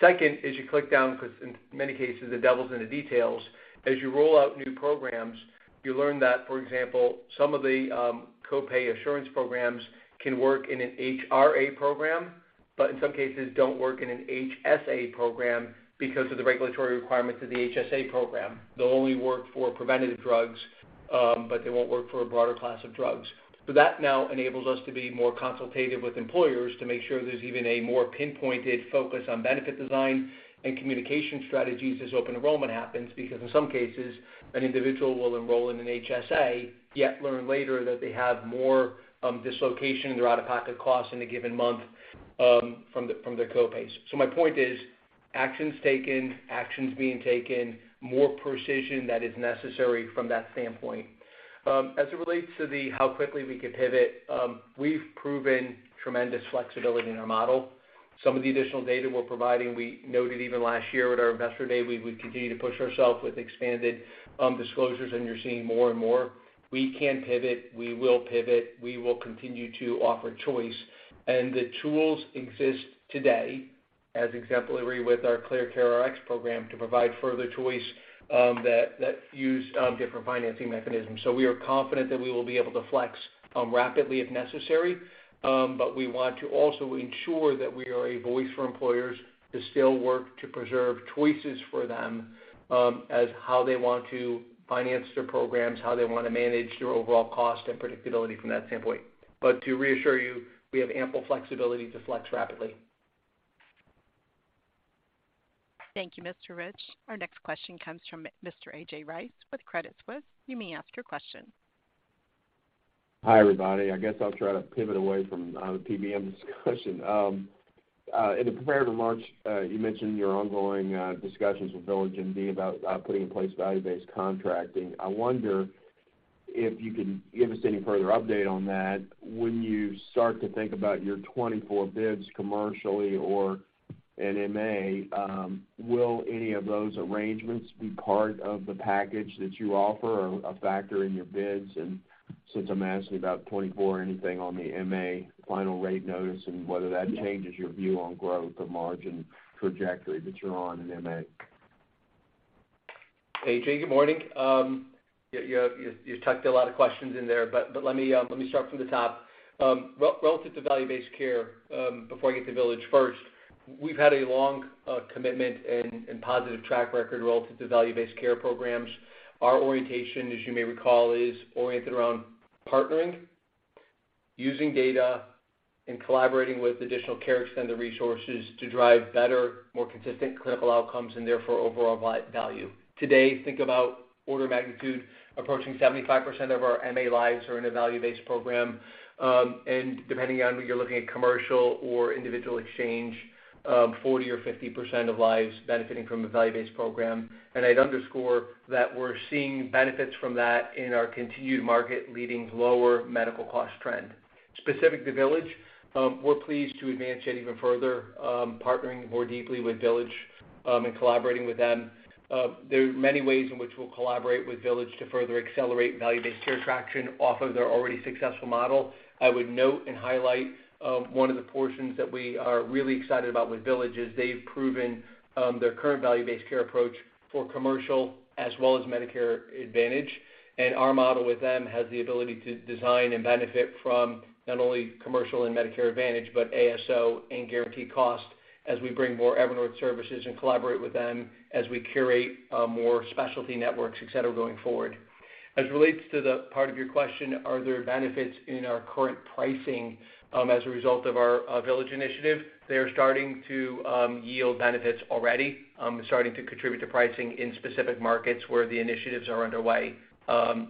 Second is you click down, 'cause in many cases, the devil's in the details. As you roll out new programs, you learn that, for example, some of the Copay Assurance Programs can work in an HRA program, but in some cases don't work in an HSA program because of the regulatory requirements of the HSA program. They'll only work for preventative drugs, but they won't work for a broader class of drugs. That now enables us to be more consultative with employers to make sure there's even a more pinpointed focus on benefit design and communication strategies as open enrollment happens. In some cases, an individual will enroll in an HSA, yet learn later that they have more dislocation in their out-of-pocket costs in a given month, from their copays. My point is. Actions taken, actions being taken, more precision that is necessary from that standpoint. As it relates to the how quickly we could pivot, we've proven tremendous flexibility in our model. Some of the additional data we're providing, we noted even last year at our Investor Day, we continue to push ourself with expanded disclosures, and you're seeing more and more. We can pivot. We will pivot. We will continue to offer choice. The tools exist today, as exemplary with our ClearCareRx program, to provide further choice that use different financing mechanisms. We are confident that we will be able to flex rapidly if necessary. We want to also ensure that we are a voice for employers to still work to preserve choices for them, as how they want to finance their programs, how they wanna manage their overall cost and predictability from that standpoint. To reassure you, we have ample flexibility to flex rapidly. Thank you, Mr. Rich. Our next question comes from Mr. A.J. Rice with Credit Suisse. You may ask your question. Hi, everybody. I guess I'll try to pivot away from the PBM discussion. In the prepared remarks, you mentioned your ongoing discussions with VillageMD about putting in place value-based contracting. I wonder if you can give us any further update on that. When you start to think about your 24 bids commercially or in MA, will any of those arrangements be part of the package that you offer or a factor in your bids? Since I'm asking about 2024, anything on the MA final rate notice and whether that changes your view on growth or margin trajectory that you're on in MA. A.J., good morning. You tucked a lot of questions in there, but let me start from the top. Relative to value-based care, before I get to Village first, we've had a long commitment and positive track record relative to value-based care programs. Our orientation, as you may recall, is oriented around partnering, using data, and collaborating with additional care extended resources to drive better, more consistent clinical outcomes and therefore overall value. Today, think about order of magnitude approaching 75% of our MA lives are in a value-based program. Depending on whether you're looking at commercial or individual exchange, 40% or 50% of lives benefiting from a value-based program. I'd underscore that we're seeing benefits from that in our continued market leading lower medical cost trend. Specific to Village, we're pleased to advance it even further, partnering more deeply with Village, and collaborating with them. There are many ways in which we'll collaborate with Village to further accelerate value-based care traction off of their already successful model. I would note and highlight, one of the portions that we are really excited about with Village is they've proven, their current value-based care approach for commercial as well as Medicare Advantage. Our model with them has the ability to design and benefit from not only commercial and Medicare Advantage, but ASO and guaranteed cost as we bring more Evernorth services and collaborate with them as we curate, more specialty networks, et cetera, going forward. As it relates to the part of your question, are there benefits in our current pricing, as a result of our Village initiative, they're starting to yield benefits already, starting to contribute to pricing in specific markets where the initiatives are underway,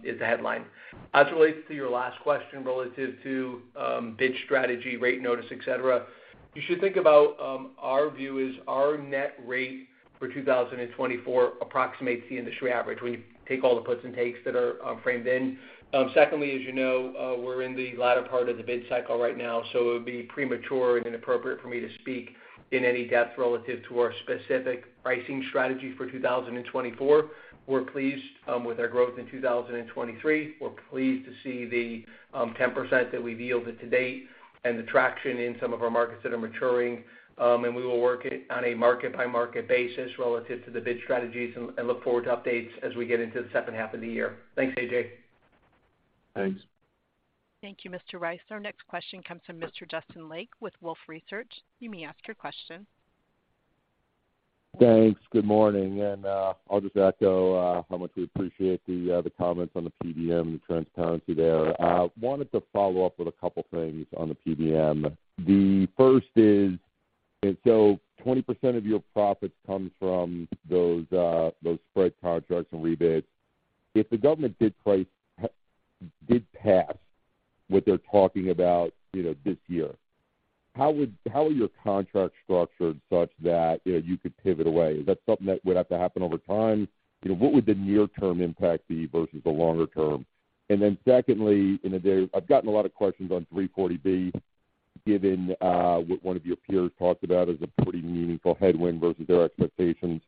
is the headline. As it relates to your last question relative to bid strategy, rate notice, et cetera, you should think about, our view is our net rate for 2024 approximates the industry average when you take all the puts and takes that are framed in. Secondly, as you know, we're in the latter part of the bid cycle right now, so it would be premature and inappropriate for me to speak in any depth relative to our specific pricing strategy for 2024. We're pleased with our growth in 2023. We're pleased to see the 10% that we've yielded to date and the traction in some of our markets that are maturing. We will work it on a market-by-market basis relative to the bid strategies and look forward to updates as we get into the second half of the year. Thanks, A.J. Rice. Thanks. Thank you, Mr. Rice. Our next question comes from Mr. Justin Lake with Wolfe Research. You may ask your question. Thanks. Good morning. I'll just echo how much we appreciate the comments on the PBM transparency there. Wanted to follow up with a couple things on the PBM. The first is, 20% of your profits come from those spread contracts and rebates. If the government did pass what they're talking about, you know, this year, how are your contracts structured such that, you know, you could pivot away? Is that something that would have to happen over time? You know, what would the near-term impact be versus the longer term? Secondly, you know, Dave, I've gotten a lot of questions on 340B, given what one of your peers talked about as a pretty meaningful headwind versus their expectations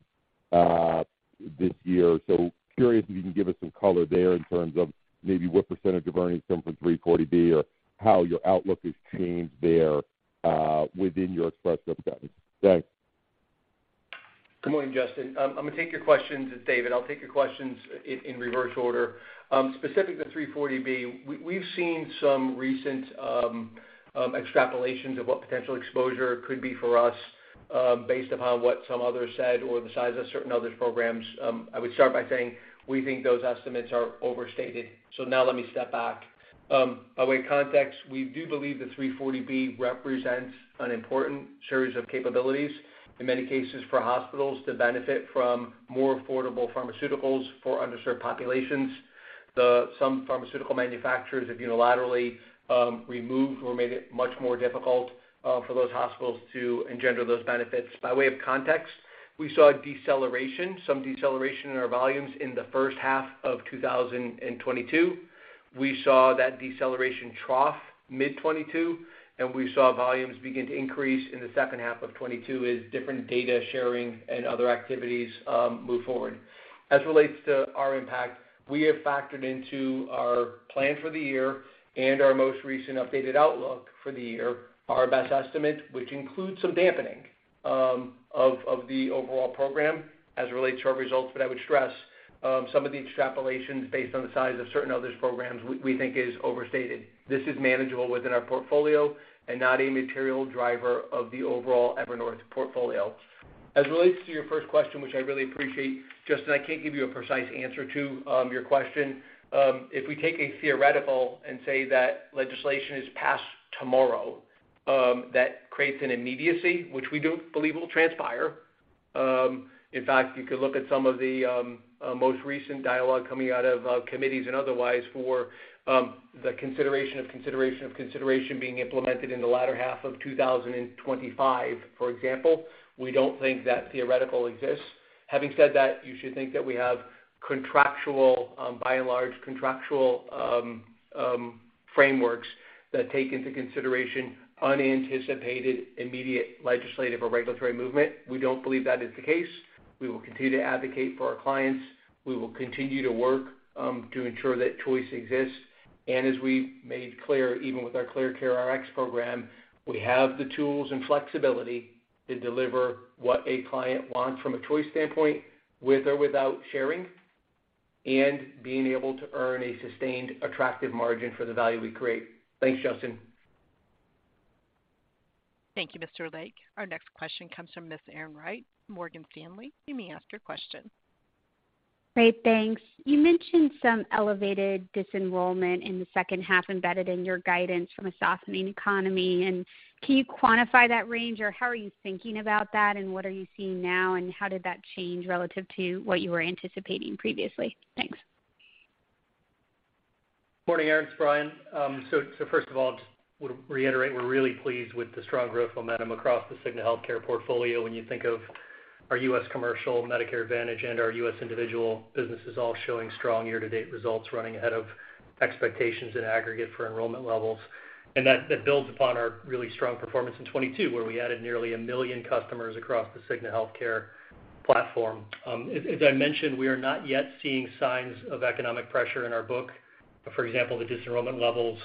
this year. Curious if you can give us some color there in terms of maybe what percentage of earnings come from 340B or how your outlook has changed there, within your expressed updates? Thanks. Good morning, Justin. I'm gonna take your questions. It's David. I'll take your questions in reverse order. Specific to 340B, we've seen some recent extrapolations of what potential exposure could be for us. Based upon what some others said or the size of certain others programs, I would start by saying we think those estimates are overstated. Now let me step back. By way of context, we do believe the 340B represents an important series of capabilities in many cases for hospitals to benefit from more affordable pharmaceuticals for underserved populations. Some pharmaceutical manufacturers have unilaterally removed or made it much more difficult for those hospitals to engender those benefits. By way of context, we saw a deceleration in our volumes in the first half of 2022. We saw that deceleration trough mid-2022. We saw volumes begin to increase in the second half of 2022 as different data sharing and other activities move forward. As it relates to our impact, we have factored into our plan for the year and our most recent updated outlook for the year, our best estimate, which includes some dampening of the overall program as it relates to our results. I would stress some of the extrapolations based on the size of certain others programs we think is overstated. This is manageable within our portfolio and not a material driver of the overall Evernorth portfolio. As it relates to your first question, which I really appreciate, Justin, I can't give you a precise answer to your question. If we take a theoretical and say that legislation is passed tomorrow, that creates an immediacy which we don't believe will transpire. In fact, you could look at some of the most recent dialogue coming out of committees and otherwise for the consideration of consideration of consideration being implemented in the latter half of 2025, for example. We don't think that theoretical exists. Having said that, you should think that we have contractual, by and large, contractual frameworks that take into consideration unanticipated, immediate legislative or regulatory movement. We don't believe that is the case. We will continue to advocate for our clients. We will continue to work to ensure that choice exists. As we've made clear, even with our ClearCareRx program, we have the tools and flexibility to deliver what a client wants from a choice standpoint, with or without sharing, and being able to earn a sustained, attractive margin for the value we create. Thanks, Justin. Thank you, Mr. Lake. Our next question comes from Miss Erin Wright, Morgan Stanley. You may ask your question. Great. Thanks. You mentioned some elevated disenrollment in the second half embedded in your guidance from a softening economy, and can you quantify that range, or how are you thinking about that, and what are you seeing now, and how did that change relative to what you were anticipating previously? Thanks. Morning, Erin. It's Brian. First of all, just would reiterate, we're really pleased with the strong growth momentum across the Cigna Healthcare portfolio when you think of our U.S. Commercial Medicare Advantage and our U.S. Individual businesses all showing strong year-to-date results, running ahead of expectations in aggregate for enrollment levels. That builds upon our really strong performance in 2022, where we added nearly a million customers across the Cigna Healthcare platform. As I mentioned, we are not yet seeing signs of economic pressure in our book. For example, the disenrollment levels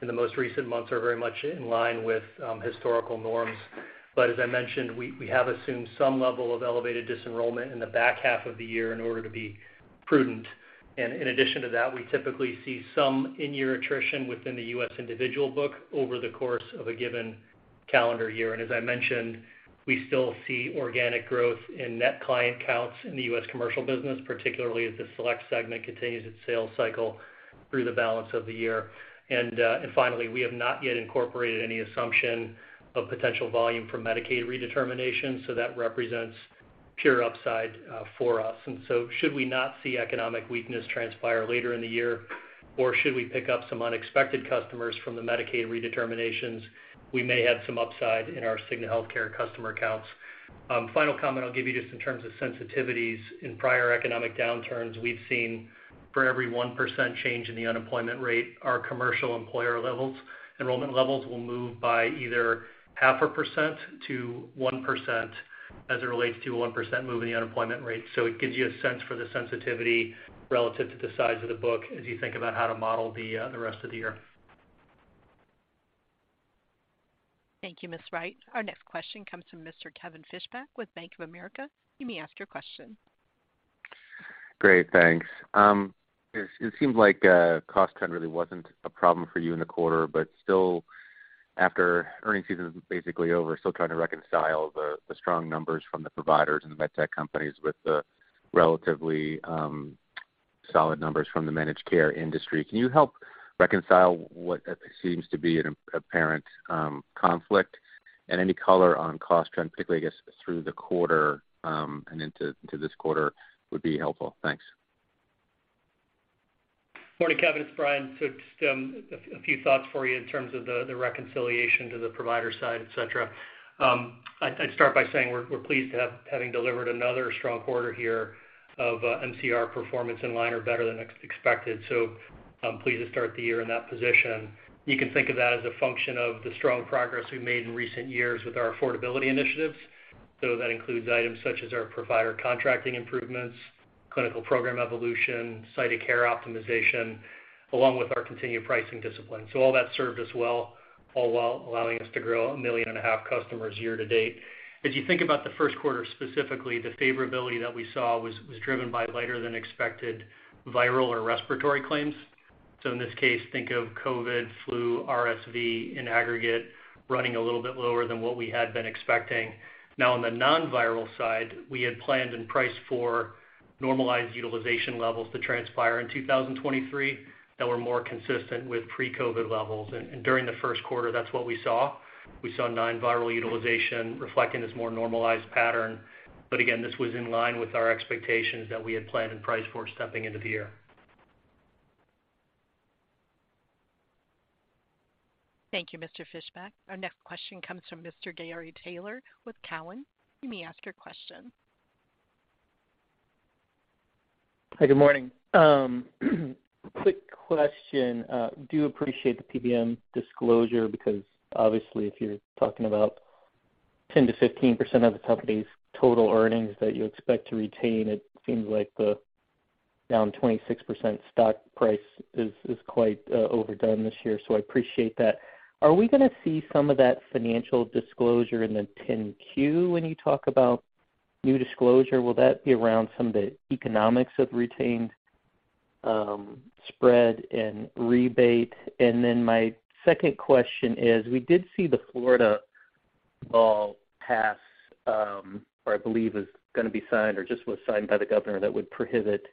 in the most recent months are very much in line with historical norms. As I mentioned, we have assumed some level of elevated disenrollment in the back half of the year in order to be prudent. In addition to that, we typically see some in-year attrition within the U.S. Individual book over the course of a given calendar year. As I mentioned, we still see organic growth in net client counts in the U.S. Commercial business, particularly as the select segment continues its sales cycle through the balance of the year. Finally, we have not yet incorporated any assumption of potential volume for Medicaid redetermination, so that represents pure upside for us. Should we not see economic weakness transpire later in the year, or should we pick up some unexpected customers from the Medicaid redeterminations, we may have some upside in our Cigna Healthcare customer accounts. Final comment I'll give you just in terms of sensitivities. In prior economic downturns, we've seen for every 1% change in the unemployment rate, our commercial employer levels, enrollment levels will move by either 0.5%-1% as it relates to a 1% move in the unemployment rate. It gives you a sense for the sensitivity relative to the size of the book as you think about how to model the rest of the year. Thank you, Ms. Wright. Our next question comes from Mr. Kevin Fischbeck with Bank of America. You may ask your question. Great. Thanks. It seems like cost trend really wasn't a problem for you in the quarter, but still after earning season is basically over, still trying to reconcile the strong numbers from the providers and the med tech companies with the relatively solid numbers from the managed care industry. Can you help reconcile what seems to be an apparent conflict and any color on cost trend, particularly, I guess, through the quarter, and into this quarter would be helpful? Thanks. Morning, Kevin. It's Brian. Just a few thoughts for you in terms of the reconciliation to the provider side, et cetera. I'd start by saying we're pleased to have delivered another strong quarter here of MCR performance in line or better than expected, pleased to start the year in that position. You can think of that as a function of the strong progress we've made in recent years with our affordability initiatives. That includes items such as our provider contracting improvements, clinical program evolution, site of care optimization, along with our continued pricing discipline. All that served us well, all while allowing us to grow 1.5 million customers year to date. As you think about the first quarter specifically, the favorability that we saw was driven by lighter than expected viral or respiratory claims. In this case, think of COVID, flu, RSV in aggregate, running a little bit lower than what we had been expecting. Now, on the non-viral side, we had planned and priced for normalized utilization levels to transpire in 2023 that were more consistent with pre-COVID levels. And during the first quarter, that's what we saw. We saw non-viral utilization reflecting this more normalized pattern. Again, this was in line with our expectations that we had planned and priced for stepping into the year. Thank you, Mr. Fischbeck. Our next question comes from Mr. Gary Taylor with Cowen. You may ask your question. Hi, good morning. Quick question. Do appreciate the PBM disclosure because, obviously, if you're talking about 10%-15% of the company's total earnings that you expect to retain, it seems like the down 26% stock price is quite overdone this year, so I appreciate that. Are we gonna see some of that financial disclosure in the 10-Q when you talk about new disclosure? Will that be around some of the economics of retained spread and rebate? My second question is, we did see the Florida law pass, or I believe is gonna be signed or just was signed by the governor that would prohibit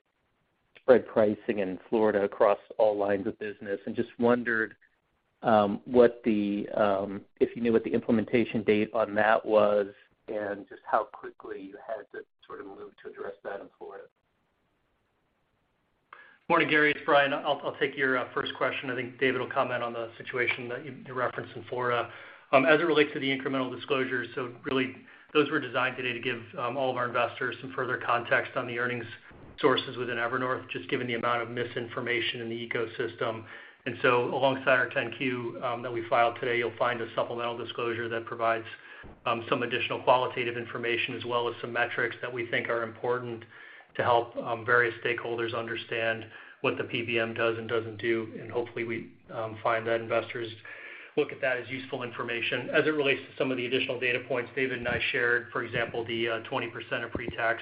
spread pricing in Florida across all lines of business. Just wondered what the, if you knew what the implementation date on that was and just how quickly you had to sort of move to address that in Florida? Morning, Gary, it's Brian. I'll take your first question. I think David will comment on the situation that you referenced in Florida. As it relates to the incremental disclosure, really those were designed today to give all of our investors some further context on the earnings sources within Evernorth, just given the amount of misinformation in the ecosystem. Alongside our 10-Q that we filed today, you'll find a supplemental disclosure that provides some additional qualitative information as well as some metrics that we think are important to help various stakeholders understand what the PBM does and doesn't do. Hopefully we find that investors look at that as useful information. As it relates to some of the additional data points David and I shared, for example, the 20% of pretax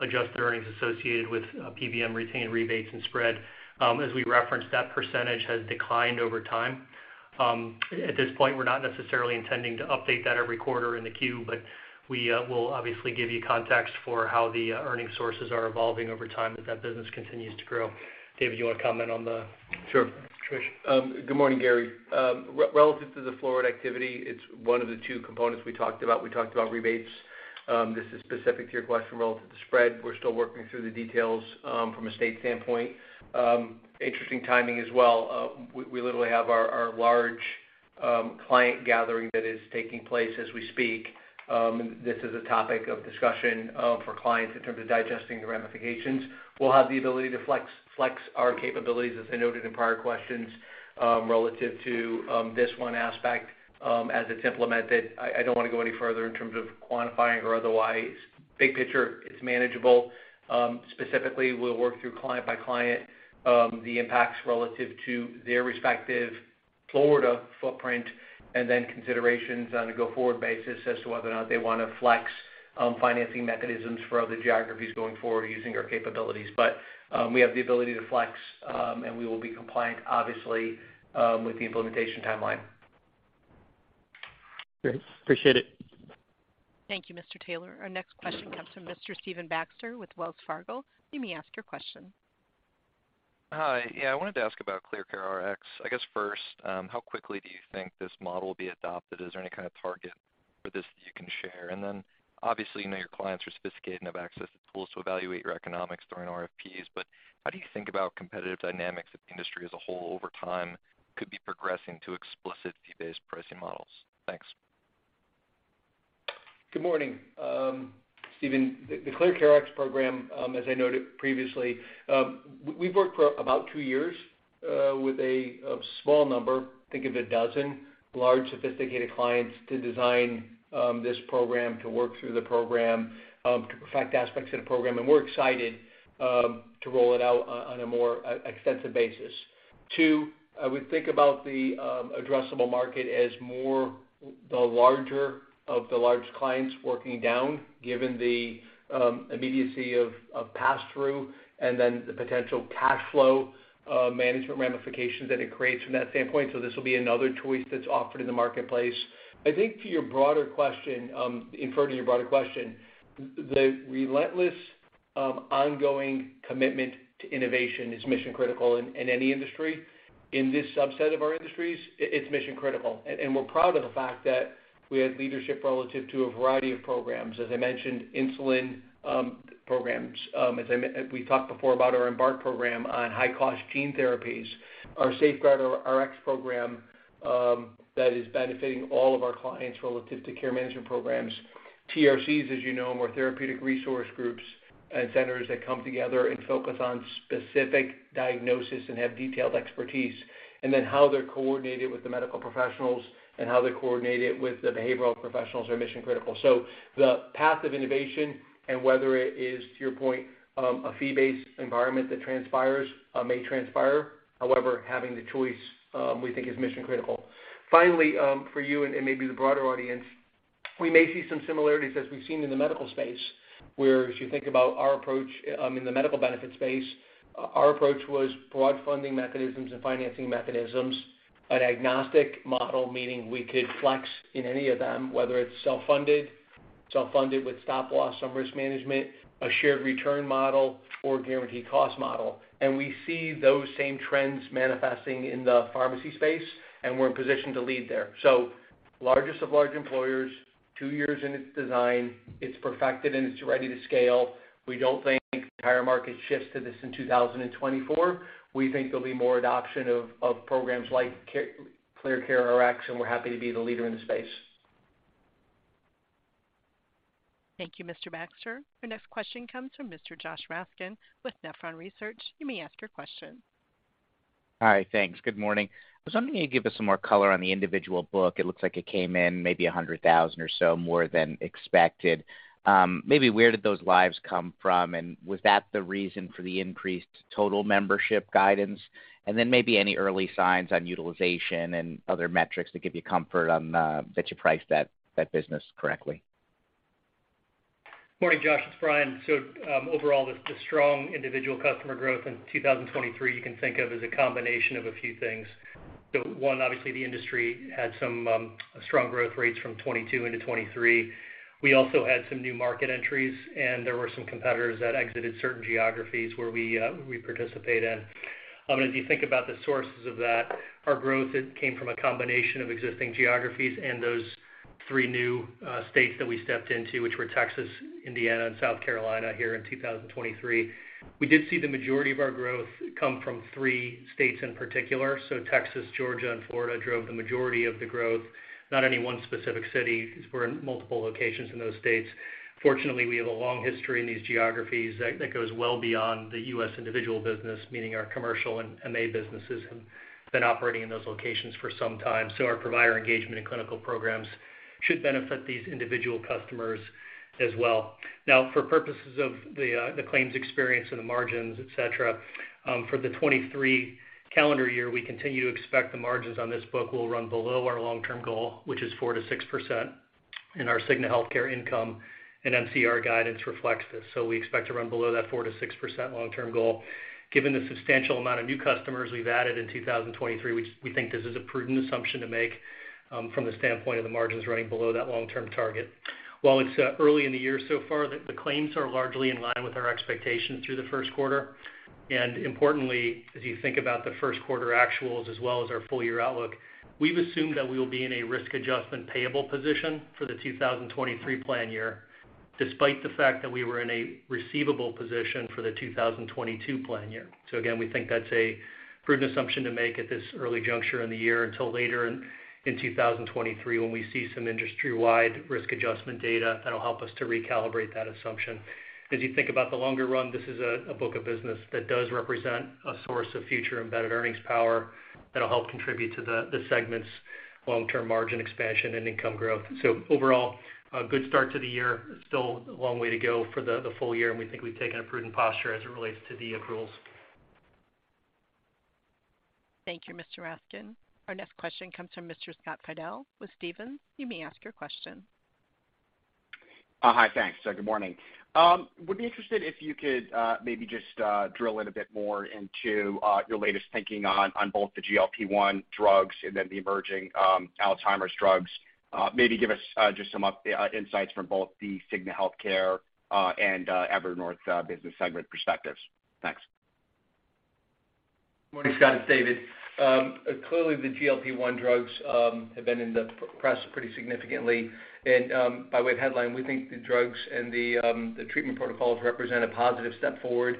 adjusted earnings associated with PBM retained rebates and spread. As we referenced, that percentage has declined over time. At this point, we're not necessarily intending to update that every quarter in the 10-Q, but we will obviously give you context for how the earning sources are evolving over time as that business continues to grow. David, you wanna comment on the? Sure. Trish? Good morning, Gary. Relative to the Florida activity, it's one of the two components we talked about. We talked about rebates. This is specific to your question relative to spread. We're still working through the details from a state standpoint. Interesting timing as well. We literally have our large client gathering that is taking place as we speak. This is a topic of discussion for clients in terms of digesting the ramifications. We'll have the ability to flex our capabilities, as I noted in prior questions, relative to this one aspect as it's implemented. I don't wanna go any further in terms of quantifying or otherwise. Big picture, it's manageable. Specifically, we'll work through client by client, the impacts relative to their respective Florida footprint and then considerations on a go-forward basis as to whether or not they wanna flex, financing mechanisms for other geographies going forward using our capabilities. We have the ability to flex, and we will be compliant obviously, with the implementation timeline. Great. Appreciate it. Thank you, Mr. Taylor. Our next question comes from Mr. Stephen Baxter with Wells Fargo. You may ask your question. Hi. Yeah, I wanted to ask about ClearCareRx. I guess first, how quickly do you think this model will be adopted? Is there any kind of target for this that you can share? Obviously, you know, your clients are sophisticated and have access to tools to evaluate your economics during RFPs, but how do you think about competitive dynamics of the industry as a whole over time could be progressing to explicit fee-based pricing models? Thanks. Good morning, Steven. The ClearCareRx program, as I noted previously, we've worked for about two years with a small number, think of a dozen large sophisticated clients to design this program, to work through the program, to perfect aspects of the program, and we're excited to roll it out on a more extensive basis. I would think about the addressable market as more the larger of the large clients working down, given the immediacy of pass-through and then the potential cash flow management ramifications that it creates from that standpoint. This will be another choice that's offered in the marketplace. I think to your broader question, infer to your broader question, the relentless ongoing commitment to innovation is mission critical in any industry. In this subset of our industries, it's mission critical. And we're proud of the fact that we have leadership relative to a variety of programs. As I mentioned, insulin programs, as we've talked before about our Embarc program on high-cost gene therapies, our SafeGuardRx program that is benefiting all of our clients relative to care management programs. TRCs, as you know, more therapeutic resource groups and centers that come together and focus on specific diagnosis and have detailed expertise, and then how they're coordinated with the medical professionals and how they're coordinated with the behavioral professionals are mission critical. The path of innovation and whether it is, to your point, a fee-based environment that transpires, may transpire. Having the choice, we think is mission critical. Finally, for you and maybe the broader audience. We may see some similarities as we've seen in the medical space, where as you think about our approach, in the medical benefit space, our approach was broad funding mechanisms and financing mechanisms, an agnostic model, meaning we could flex in any of them, whether it's self-funded, self-funded with stop-loss or risk management, a shared return model, or guaranteed cost model. We see those same trends manifesting in the pharmacy space, and we're in position to lead there. Largest of large employers, two years in its design. It's perfected, and it's ready to scale. We don't think the entire market shifts to this in 2024. We think there'll be more adoption of programs like ClearCare Rx, and we're happy to be the leader in the space. Thank you, Mr. Baxter. Our next question comes from Mr. Josh Raskin with Nephron Research. You may ask your question. Hi. Thanks. Good morning. I was hoping you could give us some more color on the individual book. It looks like it came in maybe 100,000 or so more than expected. Maybe where did those lives come from, and was that the reason for the increased total membership guidance? Maybe any early signs on utilization and other metrics that give you comfort on the that you priced that business correctly? Morning, Josh. It's Brian. Overall, the strong individual customer growth in 2023 you can think of as a combination of a few things. One, obviously, the industry had some strong growth rates from 22 into 23. We also had some new market entries, and there were some competitors that exited certain geographies where we participate in. If you think about the sources of that, our growth, it came from a combination of existing geographies and those three new states that we stepped into, which were Texas, Indiana, and South Carolina here in 2023. We did see the majority of our growth come from three states in particular, so Texas, Georgia, and Florida drove the majority of the growth, not any one specific city, 'cause we're in multiple locations in those states. Fortunately, we have a long history in these geographies that goes well beyond the U.S. individual business, meaning our commercial and MA businesses have been operating in those locations for some time. Our provider engagement in clinical programs should benefit these individual customers as well. For purposes of the claims experience and the margins, et cetera, for the 2023 calendar year, we continue to expect the margins on this book will run below our long-term goal, which is 4%-6%, and our Cigna Healthcare income and MCR guidance reflects this. We expect to run below that 4%-6% long-term goal. Given the substantial amount of new customers we've added in 2023, we think this is a prudent assumption to make from the standpoint of the margins running below that long-term target. While it's early in the year so far, the claims are largely in line with our expectations through the first quarter. Importantly, as you think about the first quarter actuals as well as our full-year outlook, we've assumed that we will be in a risk adjustment payable position for the 2023 plan year, despite the fact that we were in a receivable position for the 2022 plan year. Again, we think that's a prudent assumption to make at this early juncture in the year until later in 2023 when we see some industry-wide risk adjustment data that'll help us to recalibrate that assumption. As you think about the longer run, this is a book of business that does represent a source of future embedded earnings power that'll help contribute to the segment's long-term margin expansion and income growth. Overall, a good start to the year. Still a long way to go for the full year, and we think we've taken a prudent posture as it relates to the approvals. Thank you, Mr. Raskin. Our next question comes from Mr. Scott Fidel with Stephens. You may ask your question. Hi. Thanks. Good morning. Would be interested if you could maybe just drill in a bit more into your latest thinking on both the GLP-1 drugs and then the emerging Alzheimer's drugs. Maybe give us just some up insights from both the Cigna Healthcare and Evernorth business segment perspectives. Thanks. Morning, Scott, it's David. Clearly, the GLP-1 drugs have been in the press pretty significantly. By way of headline, we think the drugs and the the treatment protocols represent a positive step forward,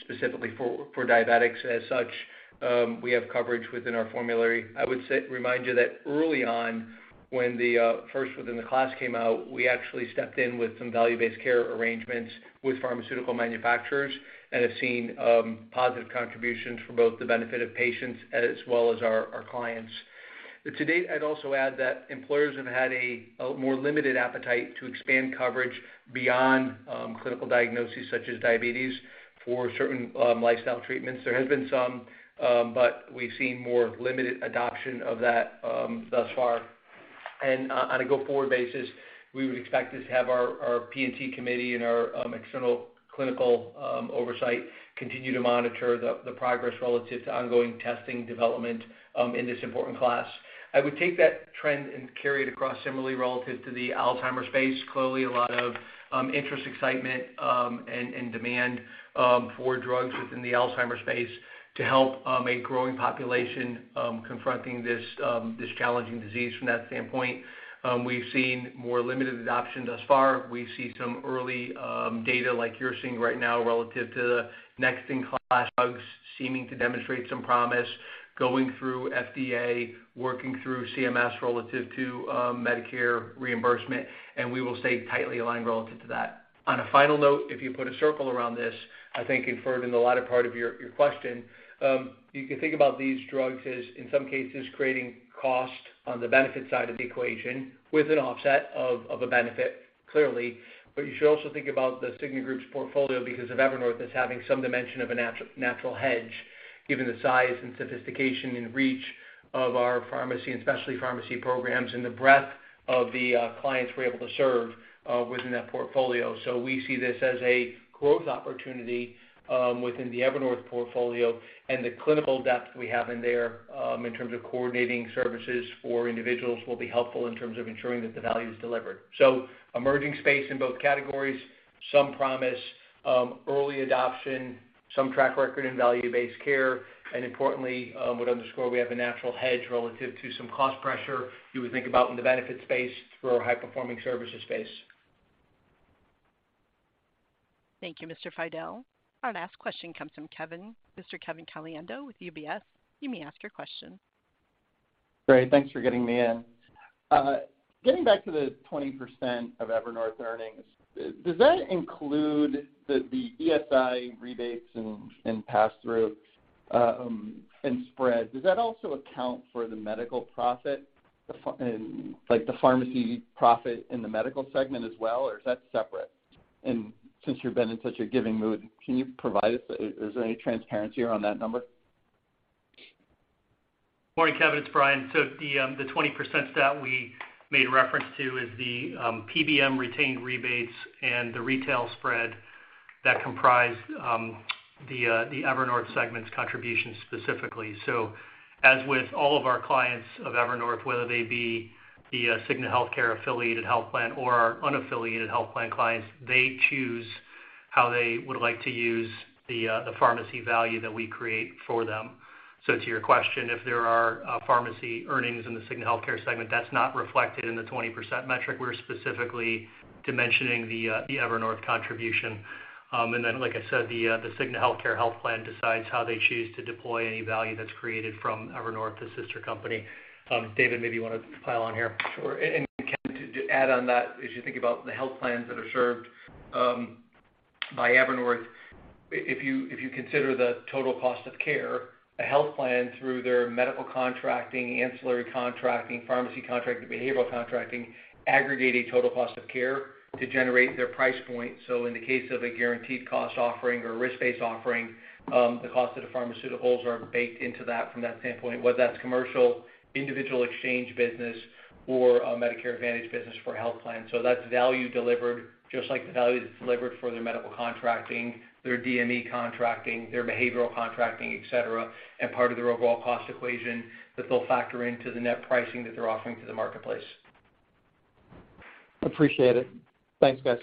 specifically for diabetics. As such, we have coverage within our formulary. I would remind you that early on, when the first within the class came out, we actually stepped in with some value-based care arrangements with pharmaceutical manufacturers and have seen positive contributions for both the benefit of patients as well as our clients. To date, I'd also add that employers have had a more limited appetite to expand coverage beyond clinical diagnoses such as diabetes for certain lifestyle treatments. There has been some, but we've seen more limited adoption of that thus far. On a go-forward basis, we would expect this to have our P&T committee and our external clinical oversight continue to monitor the progress relative to ongoing testing development in this important class. I would take that trend and carry it across similarly relative to the Alzheimer's space. Clearly, a lot of interest, excitement, and demand for drugs within the Alzheimer's space to help a growing population confronting this challenging disease from that standpoint. We've seen more limited adoption thus far. We see some early data like you're seeing right now relative to next in class drugs seeming to demonstrate some promise going through FDA, working through CMS relative to Medicare reimbursement, and we will stay tightly aligned relative to that. On a final note, if you put a circle around this, I think inferred in the latter part of your question, you can think about these drugs as, in some cases, creating cost on the benefit side of the equation with an offset, of a benefit, clearly. You should also think about The Cigna Group's portfolio because of Evernorth as having some dimension of a natural hedge, given the size and sophistication and reach of our pharmacy and specialty pharmacy programs, and the breadth of the clients we're able to serve within that portfolio. We see this as a growth opportunity within the Evernorth portfolio, and the clinical depth we have in there in terms of coordinating services for individuals will be helpful in terms of ensuring that the value is delivered. Emerging space in both categories, some promise, early adoption, some track record in value-based care, and importantly, would underscore we have a natural hedge relative to some cost pressure you would think about in the benefit space for our high-performing services space. Thank you, Mr. Fidel. Our last question comes from Kevin. Mr. Kevin Caliendo with UBS, you may ask your question. Great. Thanks for getting me in. Getting back to the 20% of Evernorth earnings, does that include the ESI rebates and pass-through and spread? Does that also account for the medical profit, like the pharmacy profit in the medical segment as well, or is that separate? Since you've been in such a giving mood, can you provide us, is there any transparency around that number? Morning, Kevin. It's Brian Evanko. The 20% that we made reference to is the PBM retained rebates and the retail spread that comprise the Evernorth segment's contribution specifically. As with all of our clients of Evernorth, whether they be the Cigna Healthcare affiliated health plan or our unaffiliated health plan clients, they choose how they would like to use the pharmacy value that we create for them. To your question, if there are pharmacy earnings in the Cigna Healthcare segment, that's not reflected in the 20% metric. We're specifically dimensioning the Evernorth contribution. Like I said, the Cigna Healthcare health plan decides how they choose to deploy any value that's created from Evernorth, the sister company. David Cordani, maybe you wanna pile on here. Sure. Kevin, to add on that, as you think about the health plans that are served by Evernorth, if you consider the total cost of care, a health plan through their medical contracting, ancillary contracting, pharmacy contracting, behavioral contracting, aggregating total cost of care to generate their price point. In the case of a guaranteed cost offering or risk-based offering, the cost of the pharmaceuticals are baked into that from that standpoint. Whether that's commercial, individual exchange business, or a Medicare Advantage business for a health plan. That's value delivered, just like the value that's delivered for their medical contracting, their DME contracting, their behavioral contracting, et cetera, and part of their overall cost equation that they'll factor into the net pricing that they're offering to the marketplace. Appreciate it. Thanks, guys.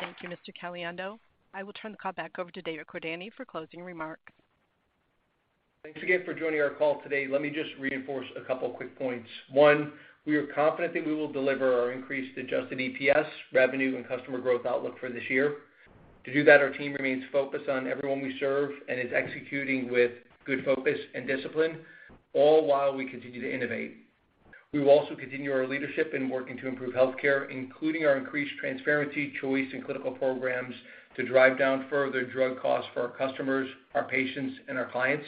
Thank you, Mr. Caliendo. I will turn the call back over to David Cordani for closing remarks. Thanks again for joining our call today. Let me just reinforce a couple quick points. One, we are confident that we will deliver our increased adjusted EPS, revenue, and customer growth outlook for this year. To do that, our team remains focused on everyone we serve and is executing with good focus and discipline, all while we continue to innovate. We will also continue our leadership in working to improve healthcare, including our increased transparency, choice, and clinical programs to drive down further drug costs for our customers, our patients, and our clients.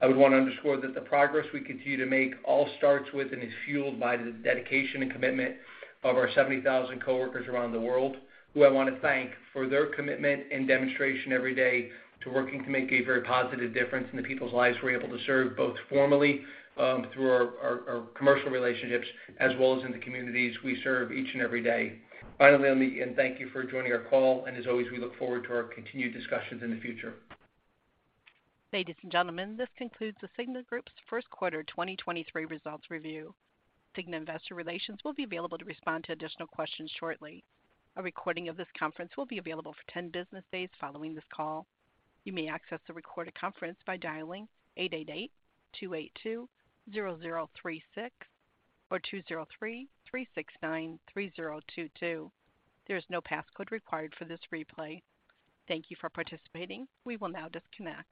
I would wanna underscore that the progress we continue to make all starts with and is fueled by the dedication and commitment of our 70,000 coworkers around the world, who I wanna thank for their commitment and demonstration every day to working to make a very positive difference in the people's lives we're able to serve, both formally, through our commercial relationships, as well as in the communities we serve each and every day. Finally, on the end, thank you for joining our call. As always, we look forward to our continued discussions in the future. Ladies and gentlemen, this concludes The Cigna Group's first quarter 2023 results review. Cigna Investor Relations will be available to respond to additional questions shortly. A recording of this conference will be available for 10 business days following this call. You may access the recorded conference by dialing 888-282-0036 or 203-369-3022. There is no passcode required for this replay. Thank you for participating. We will now disconnect.